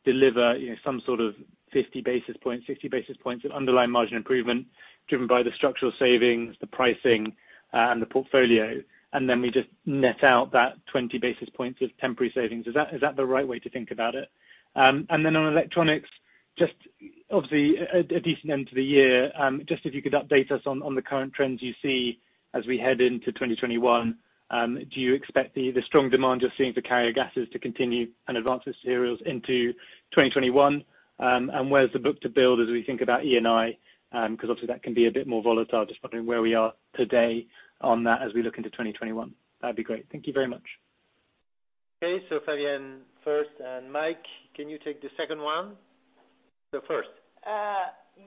deliver some sort of 50 basis points, 60 basis points of underlying margin improvement driven by the structural savings, the pricing, and the portfolio, we net out that 20 basis points of temporary savings? Is that the right way to think about it? On Electronics, obviously a decent end to the year. If you could update us on the current trends you see as we head into 2021. Do you expect the strong demand you're seeing for carrier gases to continue and advanced materials into 2021? Where's the book-to-bill as we think about E&I? Obviously that can be a bit more volatile, just wondering where we are today on that as we look into 2021. That'd be great. Thank you very much. Okay. Fabienne first, and Mike, can you take the second one? First.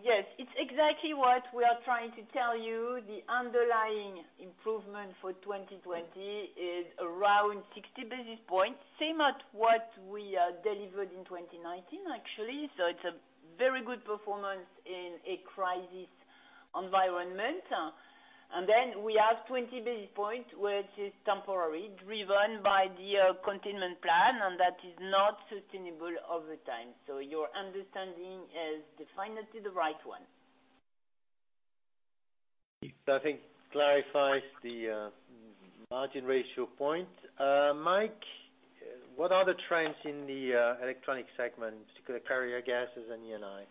Yes. It's exactly what we are trying to tell you. The underlying improvement for 2020 is around 60 basis points, same as what we delivered in 2019, actually. It's a very good performance in a crisis environment. We have 20 basis points, which is temporary, driven by the containment plan, and that is not sustainable over time. Your understanding is definitely the right one. I think clarifies the margin ratio point. Mike, what are the trends in the Electronics segment, carrier gases and E&I?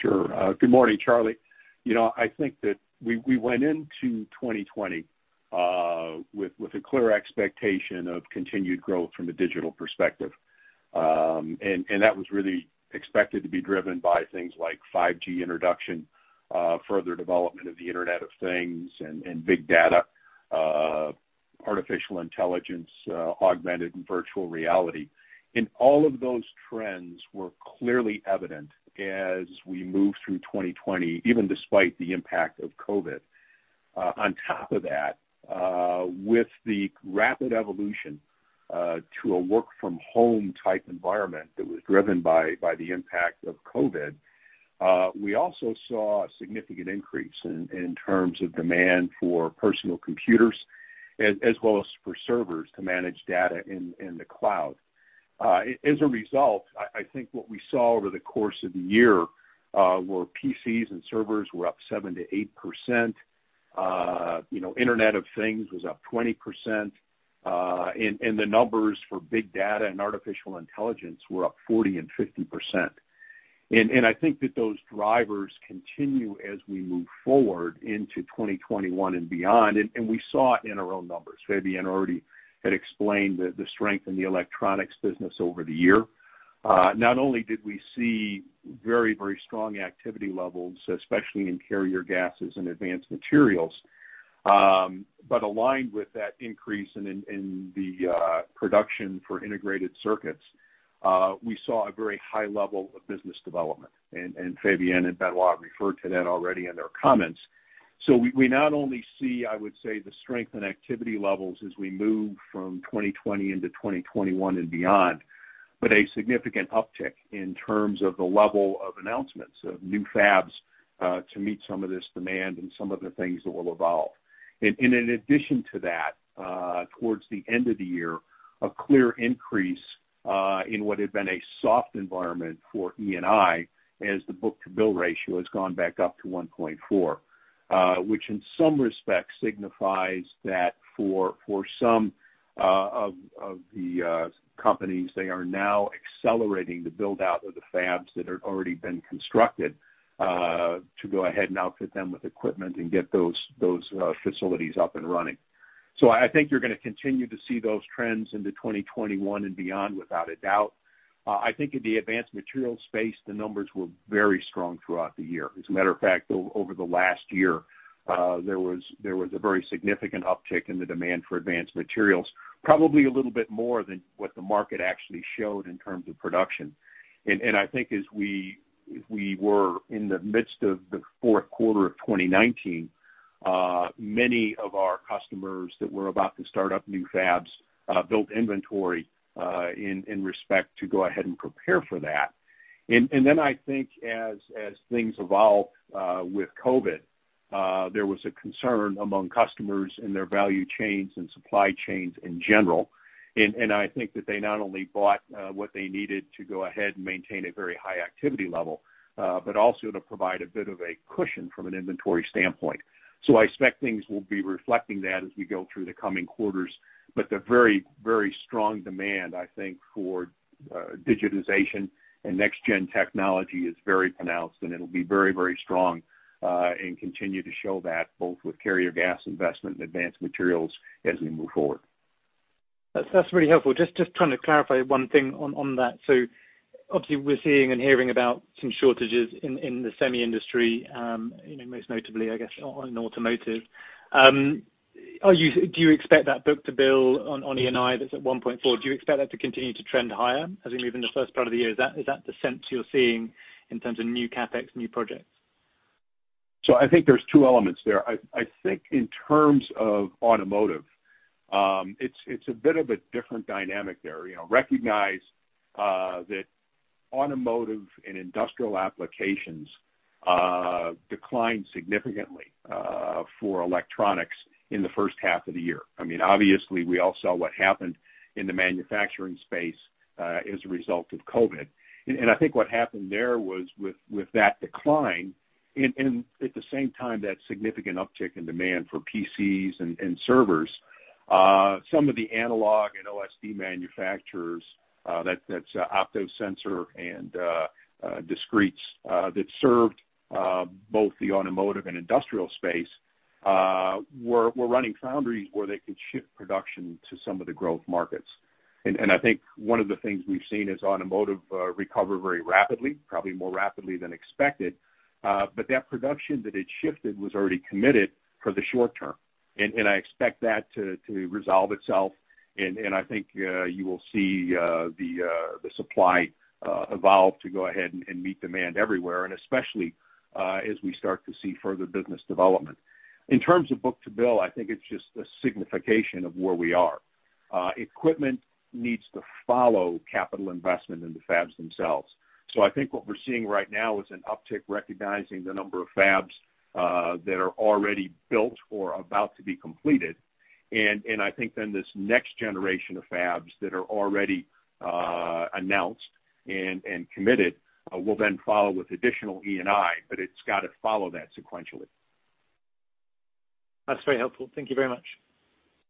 Sure. Good morning, Charlie. I think that we went into 2020 with a clear expectation of continued growth from a digital perspective. That was really expected to be driven by things like 5G introduction, further development of the Internet of Things and big data, artificial intelligence, augmented and virtual reality. All of those trends were clearly evident as we moved through 2020, even despite the impact of COVID. On top of that, with the rapid evolution to a work from home type environment that was driven by the impact of COVID, we also saw a significant increase in terms of demand for personal computers, as well as for servers to manage data in the cloud. As a result, I think what we saw over the course of the year, were PCs and servers were up 7%-8%. Internet of Things was up 20%. The numbers for big data and artificial intelligence were up 40% and 50%. I think that those drivers continue as we move forward into 2021 and beyond. We saw it in our own numbers. Fabienne already had explained the strength in the electronics business over the year. Not only did we see very strong activity levels, especially in carrier gases and advanced materials, but aligned with that increase in the production for integrated circuits. We saw a very high level of business development, and Fabienne and Benoît referred to that already in their comments. We not only see, I would say, the strength in activity levels as we move from 2020 into 2021 and beyond, but a significant uptick in terms of the level of announcements of new fabs to meet some of this demand and some of the things that will evolve. In addition to that, towards the end of the year, a clear increase, in what had been a soft environment for E&I as the book-to-bill ratio has gone back up to 1.4. Which in some respects signifies that for some of the companies, they are now accelerating the build-out of the fabs that have already been constructed, to go ahead and outfit them with equipment and get those facilities up and running. I think you're going to continue to see those trends into 2021 and beyond, without a doubt. I think in the advanced materials space, the numbers were very strong throughout the year. As a matter of fact, over the last year, there was a very significant uptick in the demand for advanced materials. Probably a little bit more than what the market actually showed in terms of production. I think as we were in the midst of the fourth quarter of 2019, many of our customers that were about to start up new fabs built inventory in respect to go ahead and prepare for that. Then I think as things evolved with COVID, there was a concern among customers in their value chains and supply chains in general. I think that they not only bought what they needed to go ahead and maintain a very high activity level, but also to provide a bit of a cushion from an inventory standpoint. I expect things will be reflecting that as we go through the coming quarters, but the very strong demand, I think, for digitization and next-gen technology is very pronounced, and it'll be very strong, and continue to show that both with carrier gas investment and advanced materials as we move forward. That's really helpful. Just trying to clarify one thing on that. Obviously, we're seeing and hearing about some shortages in the semi industry, most notably, I guess, in automotive. Do you expect that book-to-bill on E&I that's at 1.4? Do you expect that to continue to trend higher as we move in the first part of the year? Is that the sense you're seeing in terms of new CapEx, new projects? I think there's two elements there. I think in terms of automotive, it's a bit of a different dynamic there. Recognize that automotive and industrial applications declined significantly for Electronics in the first half of the year. Obviously, we all saw what happened in the manufacturing space as a result of COVID. I think what happened there was with that decline, and at the same time, that significant uptick in demand for PCs and servers. Some of the analog and OSD manufacturers, that's opto-sensor and discretes that served both the automotive and industrial space we're running foundries where they could shift production to some of the growth markets. I think one of the things we've seen is automotive recover very rapidly, probably more rapidly than expected. That production that it shifted was already committed for the short term, I expect that to resolve itself, and I think you will see the supply evolve to go ahead and meet demand everywhere, especially, as we start to see further business development. In terms of book-to-bill, I think it's just a signification of where we are. Equipment needs to follow capital investment in the fabs themselves. I think what we're seeing right now is an uptick, recognizing the number of fabs that are already built or about to be completed. I think then this next generation of fabs that are already announced and committed, will then follow with additional E&I, but it's got to follow that sequentially. That's very helpful. Thank you very much.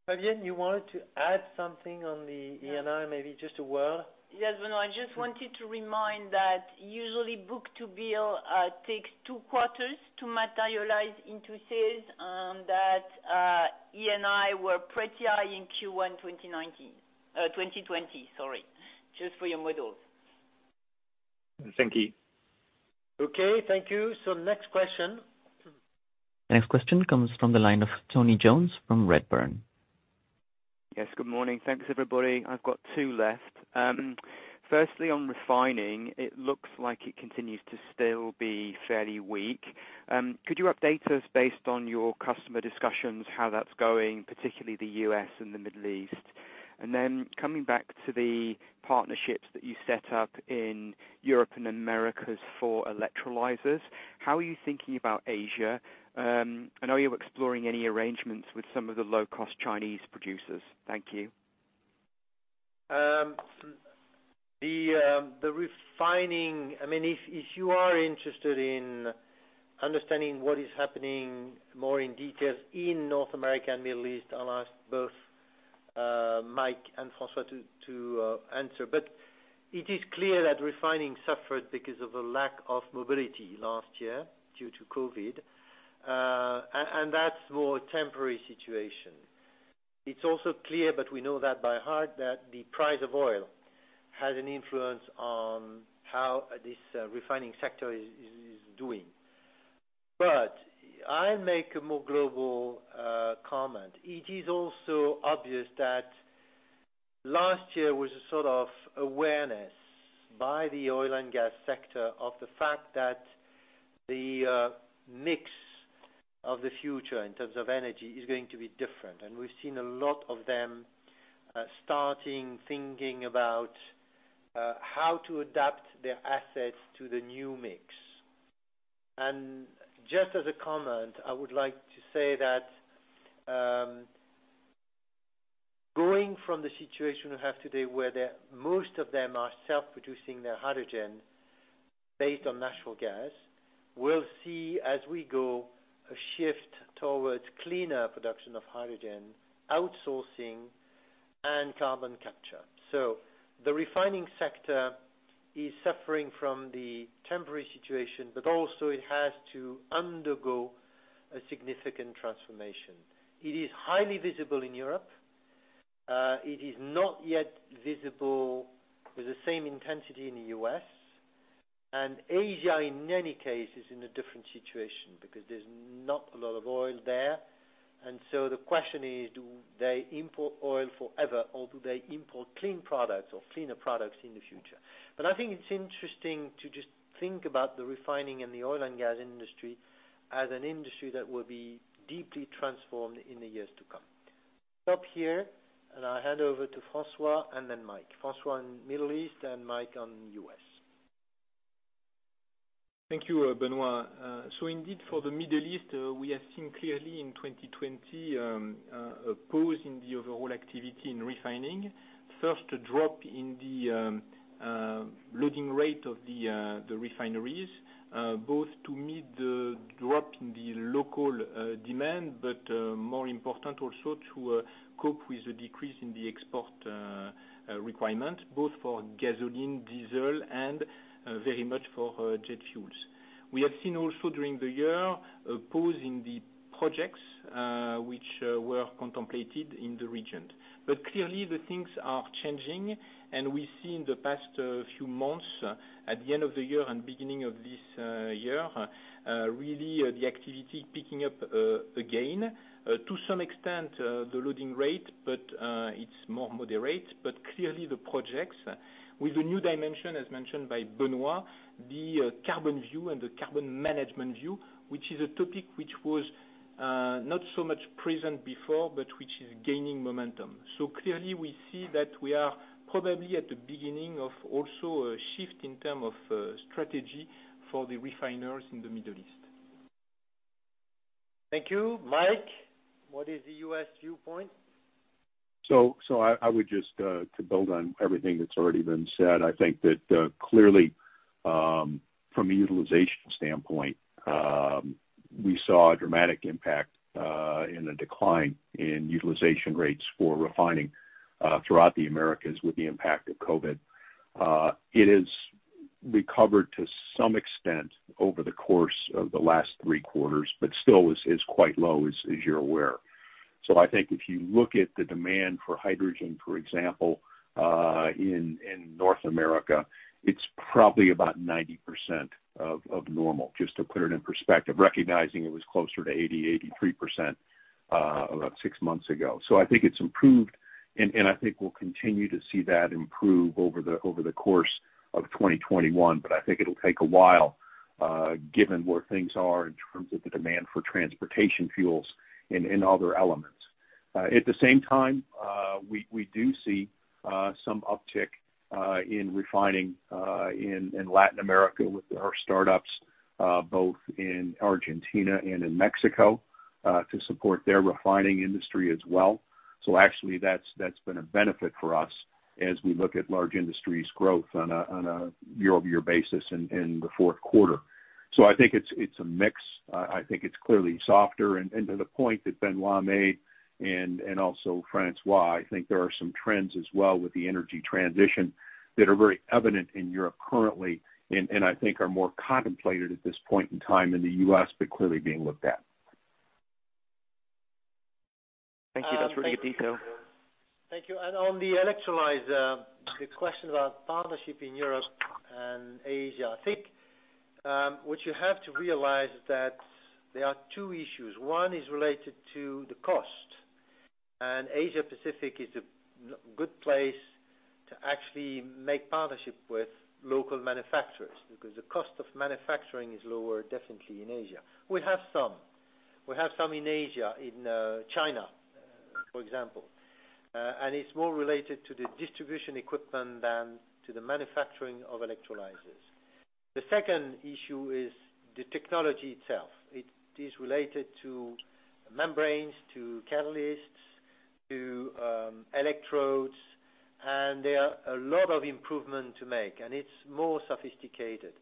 Fabienne, you wanted to add something on the E&I? Maybe just a word. Yes, Benoît, I just wanted to remind that usually book to bill takes two quarters to materialize into sales, and that E&I were pretty high in Q1 2019, 2020, sorry. Just for your models. Thank you. Okay. Thank you. Next question. Next question comes from the line of Tony Jones from Redburn. Yes, good morning. Thanks, everybody. I've got two left. Firstly, on refining, it looks like it continues to still be fairly weak. Could you update us, based on your customer discussions, how that's going, particularly the U.S. and the Middle East? Then coming back to the partnerships that you set up in Europe and the Americas for electrolyzers, how are you thinking about Asia? Are you exploring any arrangements with some of the low-cost Chinese producers? Thank you. The refining, if you are interested in understanding what is happening more in details in North America and Middle East, I'll ask both Mike and François to answer. It is clear that refining suffered because of a lack of mobility last year due to COVID, and that's more temporary situation. It's also clear, but we know that by heart, that the price of oil has an influence on how this refining sector is doing. I make a more global comment. It is also obvious that last year was a sort of awareness by the oil and gas sector of the fact that the mix of the future in terms of energy is going to be different. We've seen a lot of them starting thinking about how to adapt their assets to the new mix. Just as a comment, I would like to say that, going from the situation we have today, where most of them are self-producing their hydrogen based on natural gas, we'll see as we go, a shift towards cleaner production of hydrogen, outsourcing, and carbon capture. The refining sector is suffering from the temporary situation, but also it has to undergo a significant transformation. It is highly visible in Europe. It is not yet visible with the same intensity in the U.S. Asia, in any case, is in a different situation because there's not a lot of oil there. The question is, do they import oil forever, or do they import clean products or cleaner products in the future? I think it's interesting to just think about the refining and the oil and gas industry as an industry that will be deeply transformed in the years to come. Stop here, and I'll hand over to François and then Mike. François on Middle East and Mike on U.S. Thank you, Benoît. Indeed, for the Middle East, we have seen clearly in 2020, a pause in the overall activity in refining. First, a drop in the loading rate of the refineries, both to meet the drop in the local demand, but more important also to cope with the decrease in the export requirement, both for gasoline, diesel, and very much for jet fuels. We have seen also during the year a pause in the projects which were contemplated in the region. Clearly the things are changing, and we see in the past few months at the end of the year and beginning of this year, really the activity picking up again. To some extent, the loading rate, but it's more moderate. Clearly the projects with a new dimension, as mentioned by Benoît, the carbon view and the carbon management view, which is a topic which was not so much present before, which is gaining momentum. Clearly we see that we are probably at the beginning of also a shift in term of strategy for the refiners in the Middle East. Thank you. Mike, what is the U.S. viewpoint? I would just to build on everything that's already been said, I think that, clearly, from a utilization standpoint, we saw a dramatic impact, in a decline in utilization rates for refining, throughout the Americas with the impact of COVID. It has recovered to some extent over the course of the last three quarters, but still is quite low, as you're aware. I think if you look at the demand for hydrogen, for example, in North America, it's probably about 90% of normal, just to put it in perspective, recognizing it was closer to 80%, 83% about six months ago. I think it's improved, and I think we'll continue to see that improve over the course of 2021. I think it'll take a while, given where things are in terms of the demand for transportation fuels and other elements. At the same time, we do see some uptick in refining in Latin America with our startups, both in Argentina and in Mexico, to support their refining industry as well. Actually that's been a benefit for us as we look at large industries growth on a year-over-year basis in the fourth quarter. I think it's a mix. I think it's clearly softer. To the point that Benoît made, and also François, I think there are some trends as well with the energy transition that are very evident in Europe currently, and I think are more contemplated at this point in time in the U.S., but clearly being looked at. Thank you. That's really good detail. Thank you. On the electrolyzer, the question about partnership in Europe and Asia. I think what you have to realize is that there are two issues. One is related to the cost. Asia Pacific is a good place to actually make partnership with local manufacturers because the cost of manufacturing is lower, definitely, in Asia. We have some. We have some in Asia, in China, for example. It's more related to the distribution equipment than to the manufacturing of electrolyzers. The second issue is the technology itself. It is related to membranes, to catalysts, to electrodes. There are a lot of improvement to make, and it's more sophisticated.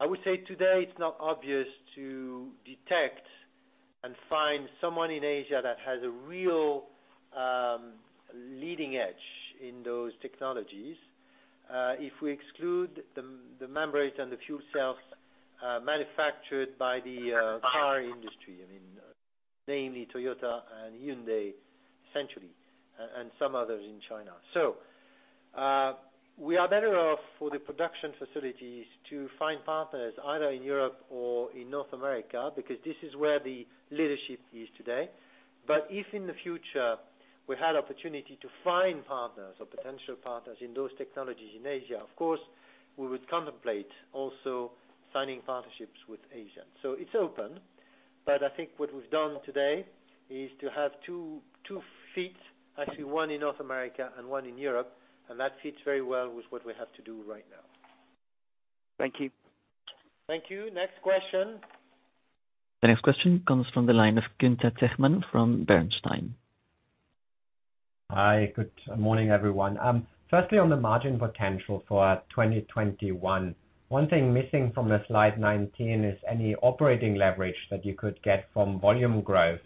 I would say today it's not obvious to detect and find someone in Asia that has a real leading edge in those technologies. If we exclude the membranes and the fuel cells, manufactured by the car industry, namely Toyota and Hyundai, essentially, and some others in China. We are better off for the production facilities to find partners either in Europe or in North America because this is where the leadership is today. If in the future we had opportunity to find partners or potential partners in those technologies in Asia, of course, we would contemplate also signing partnerships with Asia. It's open, but I think what we've done today is to have two feet, actually one in North America and one in Europe, and that fits very well with what we have to do right now. Thank you. Thank you. Next question. The next question comes from the line of Gunther Zechmann from Bernstein. Hi, good morning, everyone. Firstly, on the margin potential for 2021. One thing missing from the slide 19 is any operating leverage that you could get from volume growth.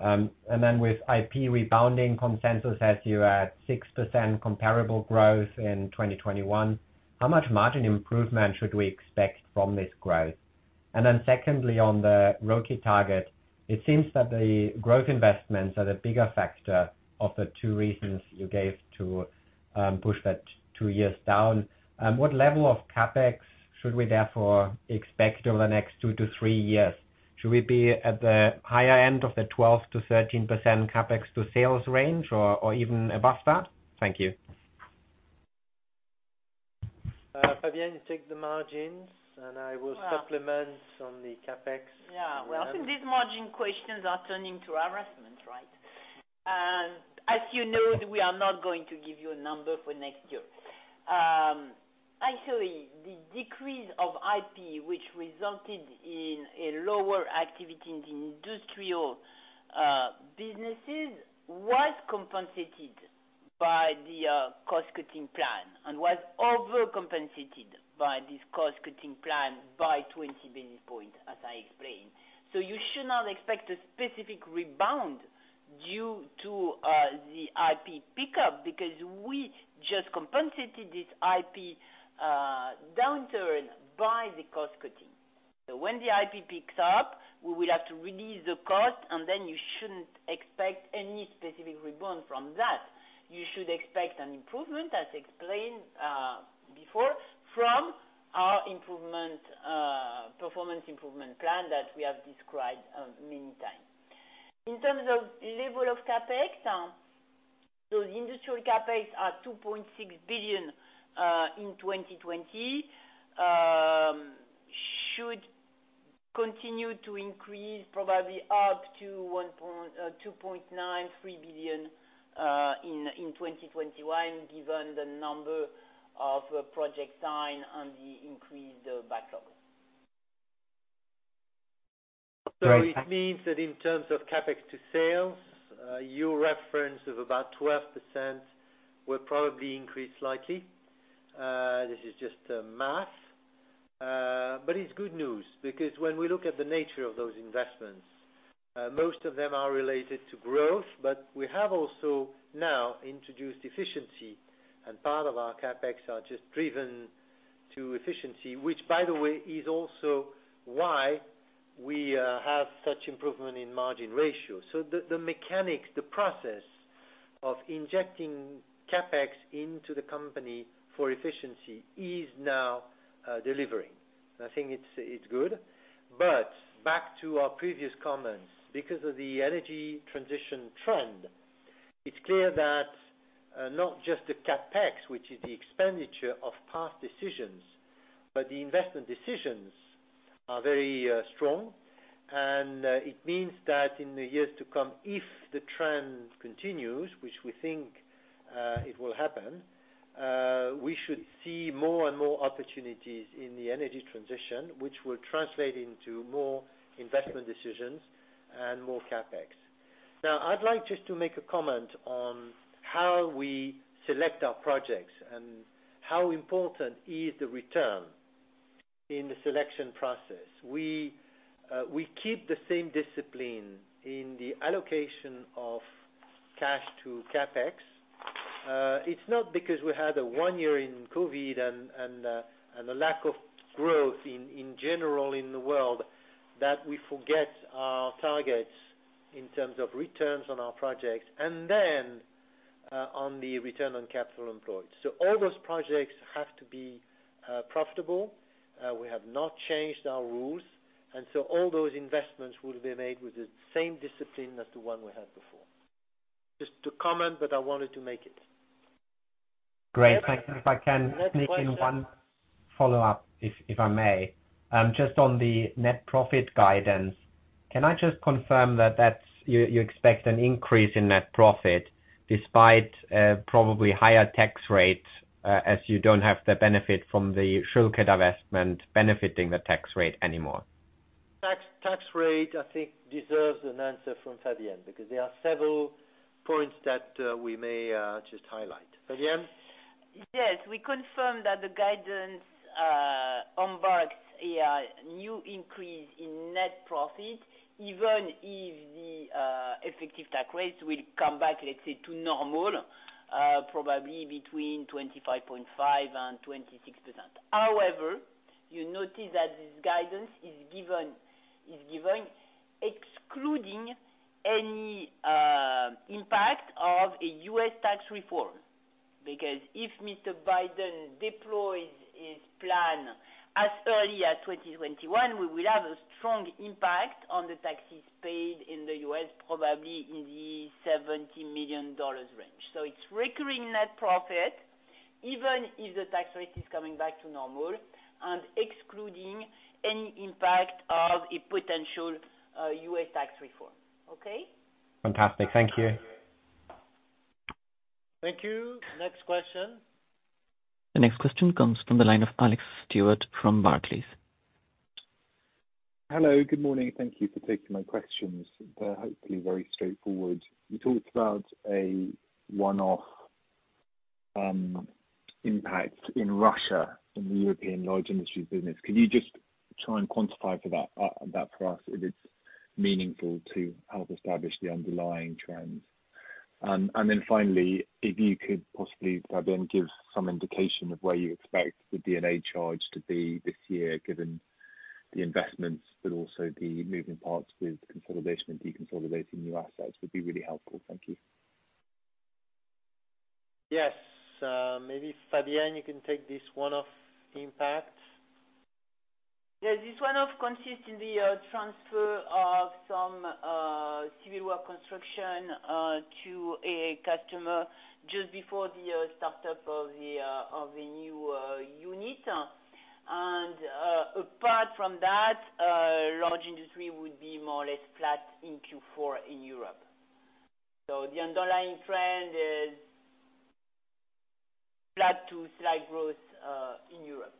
With IP rebounding consensus has you at 6% comparable growth in 2021. How much margin improvement should we expect from this growth? Secondly, on the ROCE target, it seems that the growth investments are the bigger factor of the two reasons you gave to push that two years down. What level of CapEx should we therefore expect over the next two to three years? Should we be at the higher end of the 12%-13% CapEx to sales range or even above that? Thank you. Fabienne, take the margins, and I will supplement on the CapEx. Well, I think these margin questions are turning to harassment, right? As you know, we are not going to give you a number for next year. Actually, the decrease of IP, which resulted in a lower activity in the industrial businesses, was compensated by the cost-cutting plan and was overcompensated by this cost-cutting plan by 20 basis points, as I explained. You should not expect a specific rebound due to the IP pickup because we just compensated this IP downturn by the cost cutting. When the IP picks up, we will have to release the cost and then you shouldn't expect any specific rebound from that. You should expect an improvement, as explained before, from our performance improvement plan that we have described many time. In terms of level of CapEx, those industrial CapEx are 2.6 billion in 2020. Should continue to increase probably up to 2.9 billion-3 billion in 2021 given the number of projects signed and the increased backlogs. Great. It means that in terms of CapEx to sales, your reference of about 12% will probably increase slightly. This is just math. It's good news because when we look at the nature of those investments, most of them are related to growth. We have also now introduced efficiency and part of our CapEx are just driven to efficiency, which by the way, is also why we have such improvement in margin ratio. The mechanics, the process of injecting CapEx into the company for efficiency is now delivering. I think it's good. Back to our previous comments, because of the energy transition trend, it's clear that not just the CapEx, which is the expenditure of past decisions, but the investment decisions are very strong. It means that in the years to come, if the trend continues, which we think it will happen, we should see more and more opportunities in the energy transition, which will translate into more investment decisions and more CapEx. I'd like just to make a comment on how we select our projects and how important is the return in the selection process. We keep the same discipline in the allocation of cash to CapEx. It is not because we had a one year in COVID and a lack of growth in general in the world that we forget our targets in terms of returns on our projects and then on the return on capital employed. All those projects have to be profitable. We have not changed our rules, and so all those investments will be made with the same discipline as the one we had before. Just a comment, but I wanted to make it. Great. Thank you. If I can sneak in one follow-up, if I may. Just on the net profit guidance, can I just confirm that you expect an increase in net profit despite probably higher tax rates, as you don't have the benefit from the schülke divestment benefiting the tax rate anymore? Tax rate, I think deserves an answer from Fabienne, because there are several points that we may just highlight. Fabienne? Yes. We confirm that the guidance embarks a new increase in net profit, even if the effective tax rates will come back, let's say to normal, probably between 25.5% and 26%. You notice that this guidance is given excluding any impact of a U.S. tax reform. If Mr. Biden deploys his plan as early as 2021, we will have a strong impact on the taxes paid in the U.S., probably in the $70 million range. It's recurring net profit, even if the tax rate is coming back to normal and excluding any impact of a potential U.S. tax reform. Okay? Fantastic. Thank you. Thank you. Next question. The next question comes from the line of Alex Stewart from Barclays. Hello. Good morning. Thank you for taking my questions. They are hopefully very straightforward. You talked about a one-off impact in Russia in the European large industries business. Could you just try and quantify that for us, if it is meaningful to help establish the underlying trends? Then finally, if you could possibly, Fabienne, give some indication of where you expect the D&A charge to be this year, given the investments, but also the moving parts with consolidation and deconsolidating new assets would be really helpful. Thank you. Yes. Maybe Fabienne, you can take this one-off impact. Yeah. This one-off consists in the transfer of some civil work construction to a customer just before the startup of the new unit. Apart from that, large industry would be more or less flat in Q4 in Europe. The underlying trend is flat to slight growth, in Europe.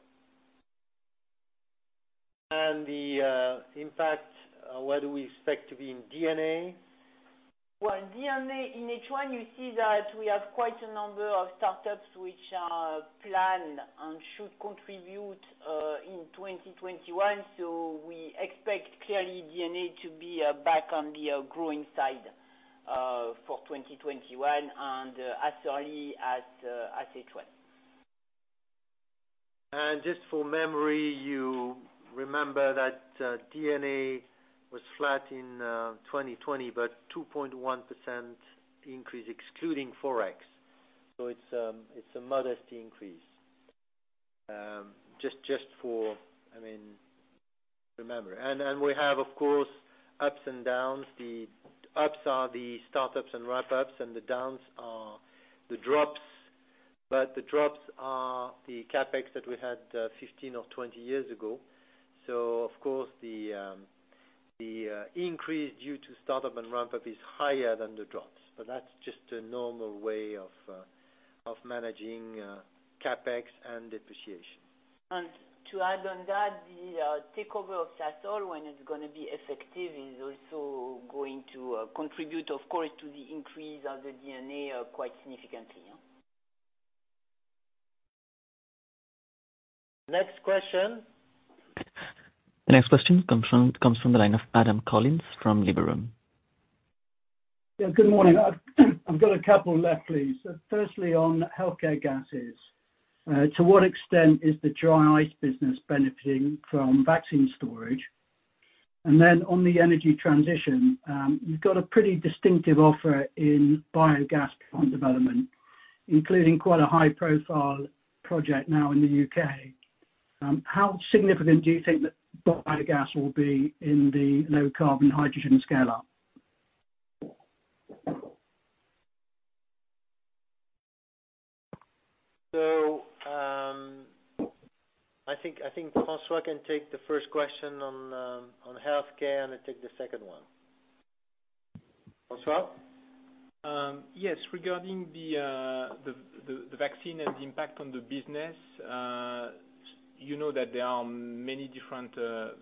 The impact, where do we expect to be in D&A? In D&A, in H1, you see that we have quite a number of startups which are planned and should contribute in 2021. We expect clearly D&A to be back on the growing side for 2021 and as early as H1. Just for memory, you remember that D&A was flat in 2020, but 2.1% increase excluding ForEx. It's a modest increase. We have, of course, ups and downs. The ups are the startups and ramp-ups, and the downs are the drops. The drops are the CapEx that we had 15 or 20 years ago. Of course, the increase due to startup and ramp-up is higher than the drops. That's just a normal way of managing CapEx and depreciation. To add on that, the takeover of Sasol when it's going to be effective, is also going to contribute, of course, to the increase of the D&A quite significantly. Next question. The next question comes from the line of Adam Collins from Liberum. Yeah. Good morning. I've got a couple left, please. Firstly, on healthcare gases, to what extent is the dry ice business benefiting from vaccine storage? On the energy transition, you've got a pretty distinctive offer in biogas development, including quite a high-profile project now in the U.K. How significant do you think that biogas will be in the low-carbon hydrogen scale-up? I think François can take the first question on healthcare, and I'll take the second one. François? Yes. Regarding the vaccine and the impact on the business, you know that there are many different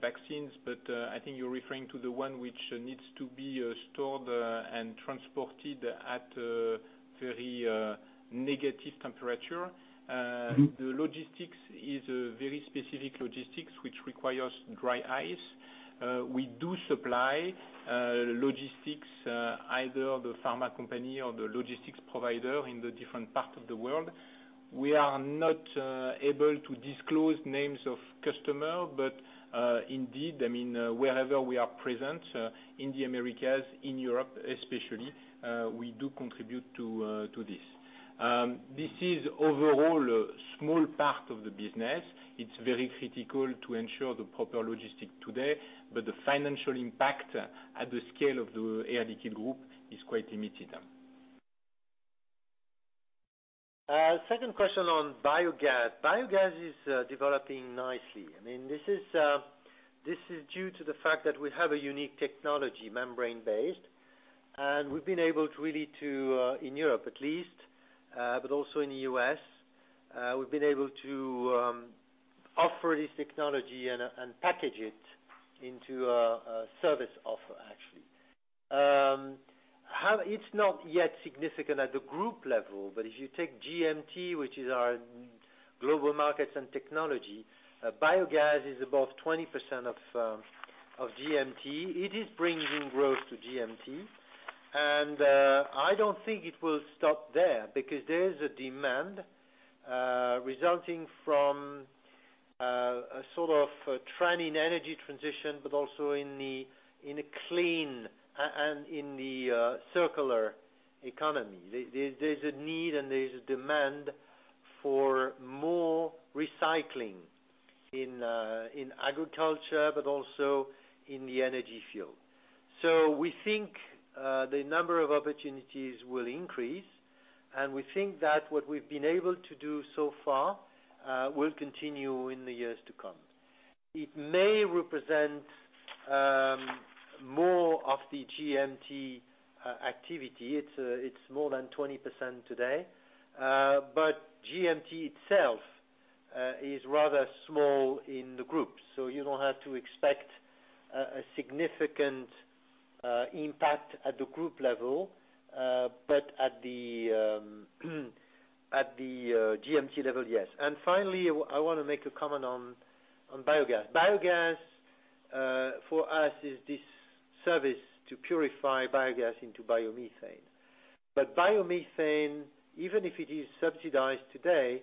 vaccines, but I think you're referring to the one which needs to be stored and transported at very negative temperature. The logistics is a very specific logistics, which requires dry ice. We do supply logistics, either the pharma company or the logistics provider in the different parts of the world. We are not able to disclose names of customer, but indeed, wherever we are present in the Americas, in Europe especially, we do contribute to this. This is overall a small part of the business. It's very critical to ensure the proper logistic today, but the financial impact at the scale of the Air Liquide Group is quite limited. Second question on biogas. Biogas is developing nicely. This is due to the fact that we have a unique technology, membrane-based, and we've been able to, in Europe at least, but also in the U.S., we've been able to offer this technology and package it into a service offer actually. It's not yet significant at the group level, but if you take GMT, which is our Global Markets and Technologies, biogas is above 20% of GMT. It is bringing growth to GMT. I don't think it will stop there, because there is a demand resulting from a sort of trend in energy transition, but also in a clean and in the circular economy. There's a need and there's a demand for more recycling in agriculture, but also in the energy field. We think the number of opportunities will increase, and we think that what we've been able to do so far will continue in the years to come. It may represent more of the GMT activity. It's more than 20% today. GMT itself is rather small in the group, you don't have to expect a significant impact at the group level. At the GMT level, yes. Finally, I want to make a comment on biogas. Biogas for us is this service to purify biogas into biomethane. Biomethane, even if it is subsidized today,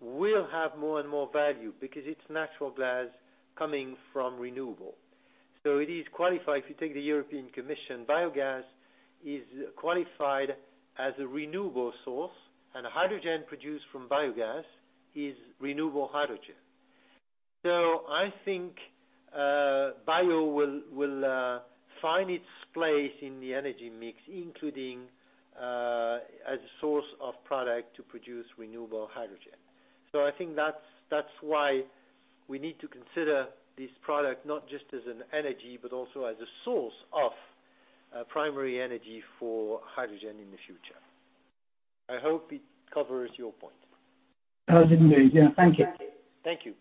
will have more and more value because it's natural gas coming from renewable. It is qualified. If you take the European Commission, biogas is qualified as a renewable source, and hydrogen produced from biogas is renewable hydrogen. I think bio will find its place in the energy mix, including as a source of product to produce renewable hydrogen. I think that's why we need to consider this product not just as an energy, but also as a source of primary energy for hydrogen in the future. I hope it covers your point. It does indeed. Yeah. Thank you. Thank you.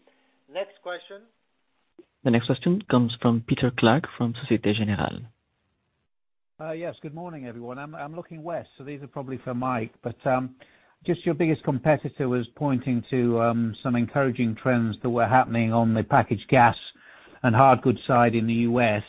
Next question. The next question comes from Peter Clark from Société Générale. Yes. Good morning, everyone. I'm looking West, so these are probably for Mike, but just your biggest competitor was pointing to some encouraging trends that were happening on the packaged gas and hard goods side in the U.S.,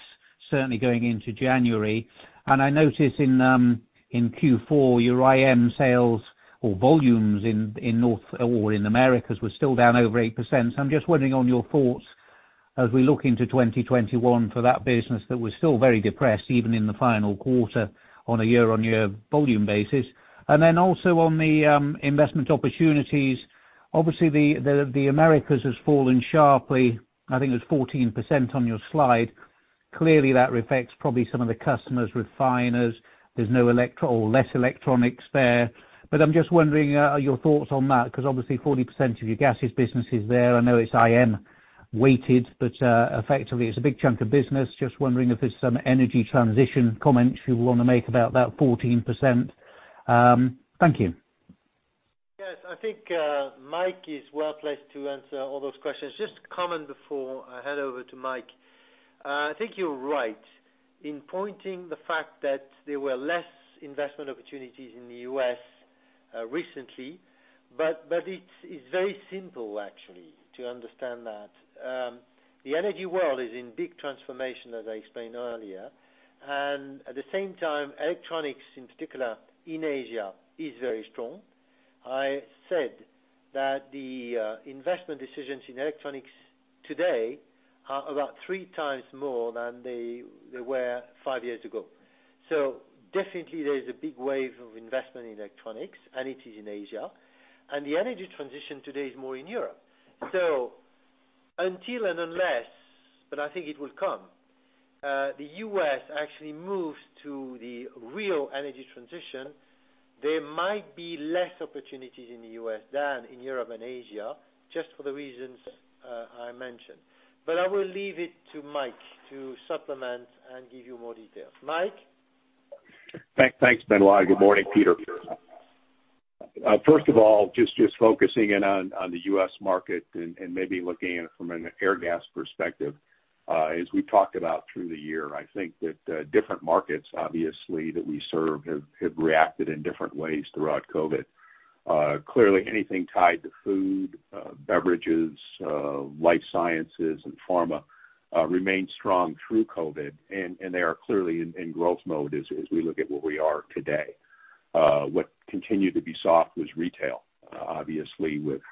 certainly going into January. I noticed in Q4, your IM sales or volumes in Americas were still down over 8%. I'm just wondering on your thoughts as we look into 2021 for that business that was still very depressed, even in the final quarter on a year-on-year volume basis. Also on the investment opportunities, obviously the Americas has fallen sharply. I think it was 14% on your slide. Clearly, that reflects probably some of the customers, refiners. There's no electro or less electronics there. I'm just wondering your thoughts on that, because obviously 40% of your gases business is there. I know it's IM weighted. Effectively it's a big chunk of business. Just wondering if there's some energy transition comments you want to make about that 14%. Thank you. Yes. I think Mike is well-placed to answer all those questions. Just a comment before I hand over to Mike. I think you're right in pointing the fact that there were less investment opportunities in the U.S. recently. It's very simple, actually, to understand that. The energy world is in big transformation, as I explained earlier, and at the same time, electronics in particular in Asia is very strong. I said that the investment decisions in electronics today are about 3x more than they were five years ago. Definitely there is a big wave of investment in electronics, and it is in Asia. The energy transition today is more in Europe. Until and unless, but I think it will come, the U.S. actually moves to the real energy transition, there might be less opportunities in the U.S. than in Europe and Asia, just for the reasons I mentioned. I will leave it to Mike to supplement and give you more details. Mike? Thanks, Benoît. Good morning, Peter. First of all, just focusing in on the U.S. market and maybe looking at it from an Airgas perspective. As we talked about through the year, I think that different markets, obviously, that we serve have reacted in different ways throughout COVID. Clearly anything tied to food, beverages, life sciences and pharma remained strong through COVID, and they are clearly in growth mode as we look at where we are today. What continued to be soft was retail, obviously with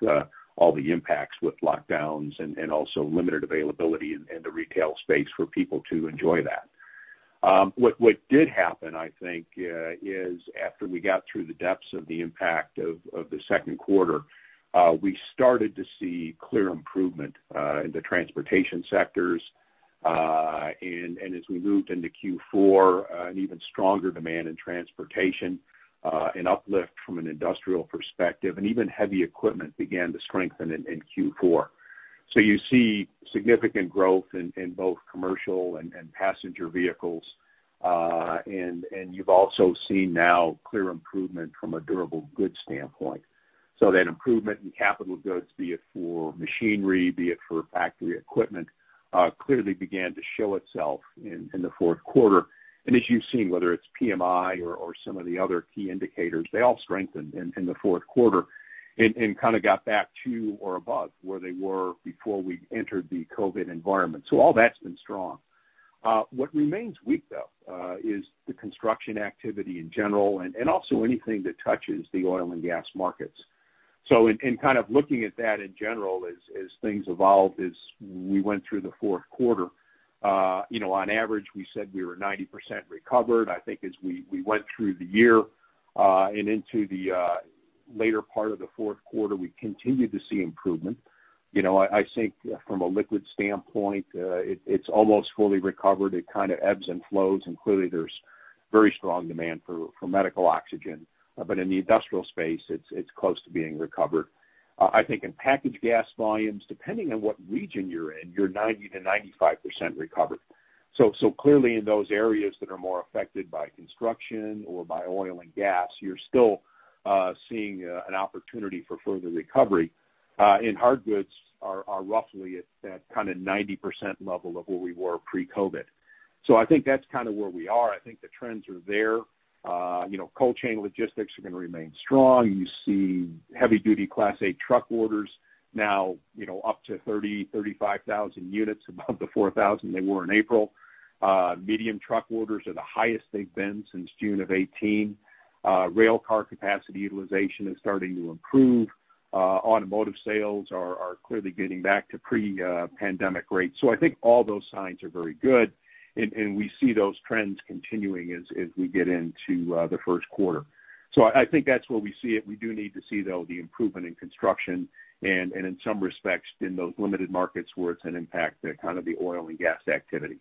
all the impacts with lockdowns and also limited availability in the retail space for people to enjoy that. What did happen, I think, is after we got through the depths of the impact of the second quarter, we started to see clear improvement in the transportation sectors. As we moved into Q4, an even stronger demand in transportation, an uplift from an industrial perspective, and even heavy equipment began to strengthen in Q4. You see significant growth in both commercial and passenger vehicles, and you've also seen now clear improvement from a durable goods standpoint. That improvement in capital goods, be it for machinery, be it for factory equipment, clearly began to show itself in the fourth quarter. As you've seen, whether it's PMI or some of the other key indicators, they all strengthened in the fourth quarter and kind of got back to or above where they were before we entered the COVID environment. All that's been strong. What remains weak, though, is the construction activity in general and also anything that touches the oil and gas markets. In looking at that in general, as things evolved, as we went through the fourth quarter, on average, we said we were 90% recovered. I think as we went through the year, and into the later part of the fourth quarter, we continued to see improvement. I think from a liquid standpoint, it's almost fully recovered. It kind of ebbs and flows, and clearly there's very strong demand for medical oxygen. In the industrial space, it's close to being recovered. I think in packaged gas volumes, depending on what region you're in, you're 90%-95% recovered. Clearly in those areas that are more affected by construction or by oil and gas, you're still seeing an opportunity for further recovery. In hard goods are roughly at that kind of 90% level of where we were pre-COVID. I think that's kind of where we are. I think the trends are there. Cold chain logistics are going to remain strong. You see heavy-duty Class 8 truck orders now up to 30,000, 35,000 units above the 4,000 they were in April. Medium truck orders are the highest they've been since June of 2018. Rail car capacity utilization is starting to improve. Automotive sales are clearly getting back to pre-pandemic rates. I think all those signs are very good, and we see those trends continuing as we get into the first quarter. I think that's where we see it. We do need to see, though, the improvement in construction and in some respects in those limited markets where it's an impact to kind of the oil and gas activity.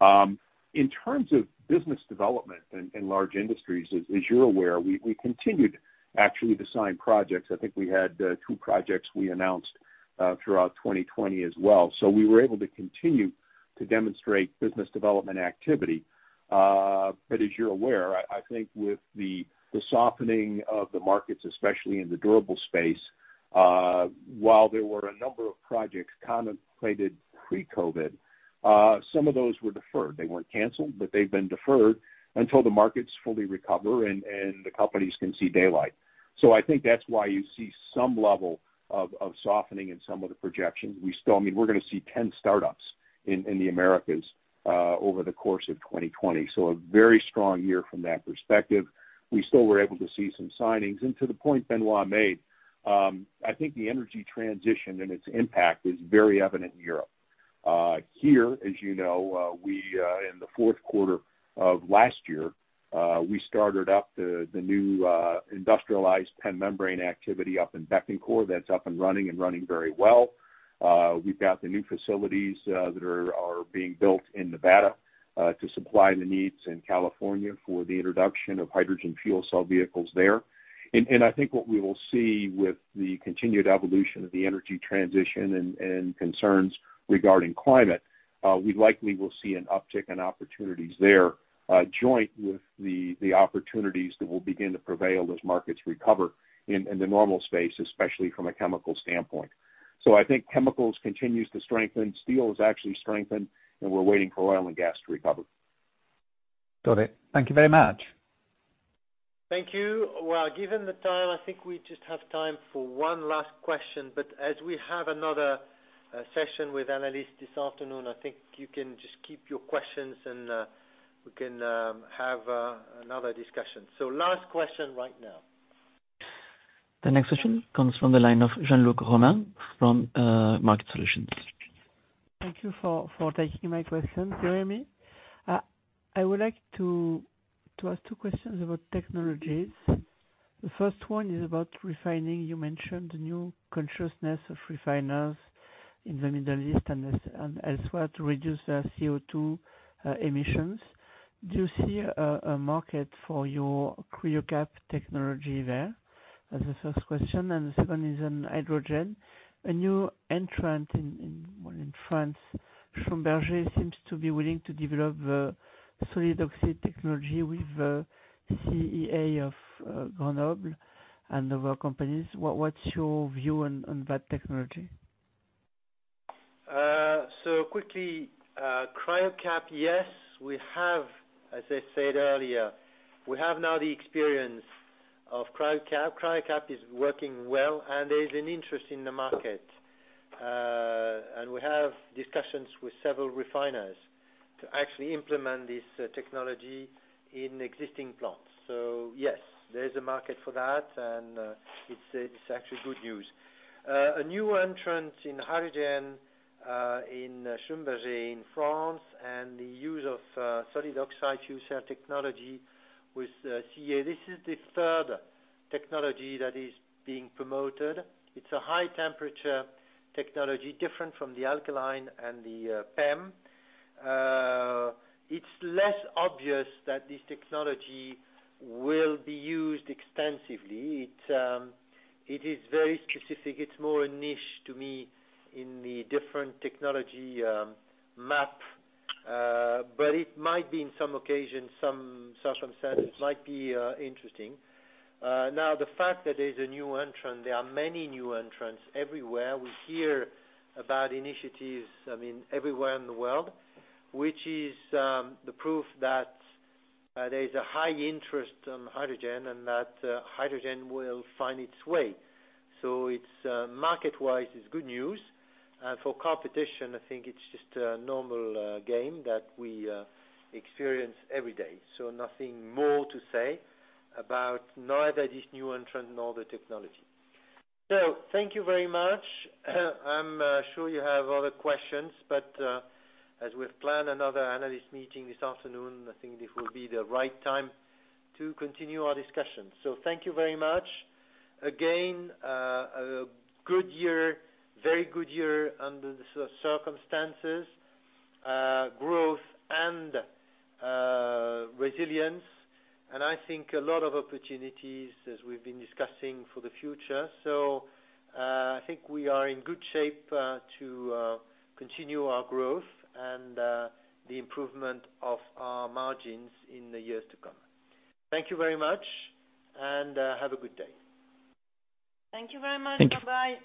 In terms of business development in large industries, as you're aware, we continued actually to sign projects. I think we had two projects we announced throughout 2020 as well. We were able to continue to demonstrate business development activity. As you're aware, I think with the softening of the markets, especially in the durable space, while there were a number of projects contemplated pre-COVID, some of those were deferred. They weren't canceled, but they've been deferred until the markets fully recover and the companies can see daylight. I think that's why you see some level of softening in some of the projections. We're going to see 10 startups in the Americas over the course of 2020. A very strong year from that perspective. We still were able to see some signings. To the point Benoît made, I think the energy transition and its impact is very evident in Europe. Here, as you know, in the fourth quarter of last year, we started up the new industrialized PEM membrane activity up in Bécancour. That's up and running and running very well. We've got the new facilities that are being built in Nevada to supply the needs in California for the introduction of hydrogen fuel cell vehicles there. I think what we will see with the continued evolution of the energy transition and concerns regarding climate, we likely will see an uptick in opportunities there, joint with the opportunities that will begin to prevail as markets recover in the normal space, especially from a chemical standpoint. I think chemicals continues to strengthen. Steel has actually strengthened, and we're waiting for oil and gas to recover. Got it. Thank you very much. Thank you. Well, given the time, I think we just have time for one last question. As we have another session with analysts this afternoon, I think you can just keep your questions and we can have another discussion. Last question right now. The next question comes from the line of Jean-Luc Romain from Market Solutions. Thank you for taking my question. Do you hear me? I would like to ask two questions about technologies. The first one is about refining. You mentioned the new consciousness of refiners in the Middle East and elsewhere to reduce their CO2 emissions. Do you see a market for your Cryocap technology there? As the first question, the second is on hydrogen. A new entrant in France, Schlumberger, seems to be willing to develop a solid oxide technology with CEA of Grenoble and other companies. What's your view on that technology? Quickly, Cryocap, yes. As I said earlier, we have now the experience of Cryocap. Cryocap is working well, and there's an interest in the market. We have discussions with several refiners to actually implement this technology in existing plants. Yes, there is a market for that, and it's actually good news. A new entrant in hydrogen in Schlumberger in France and the use of solid oxide fuel cell technology with CEA. This is the third technology that is being promoted. It's a high-temperature technology, different from the alkaline and the PEM. It's less obvious that this technology will be used extensively. It is very specific. It's more a niche to me in the different technology map. It might be in some occasions, some circumstances might be interesting. Now, the fact that there's a new entrant, there are many new entrants everywhere. We hear about initiatives everywhere in the world. Which is the proof that there is a high interest on hydrogen and that hydrogen will find its way. Market-wise, it's good news. For competition, I think it's just a normal game that we experience every day. Nothing more to say about neither this new entrant nor the technology. Thank you very much. I'm sure you have other questions, but, as we've planned another analyst meeting this afternoon, I think this will be the right time to continue our discussion. Thank you very much. Again, a very good year under the circumstances, growth and resilience, and I think a lot of opportunities as we've been discussing for the future. I think we are in good shape to continue our growth and the improvement of our margins in the years to come. Thank you very much, and have a good day. Thank you very much. Bye-bye.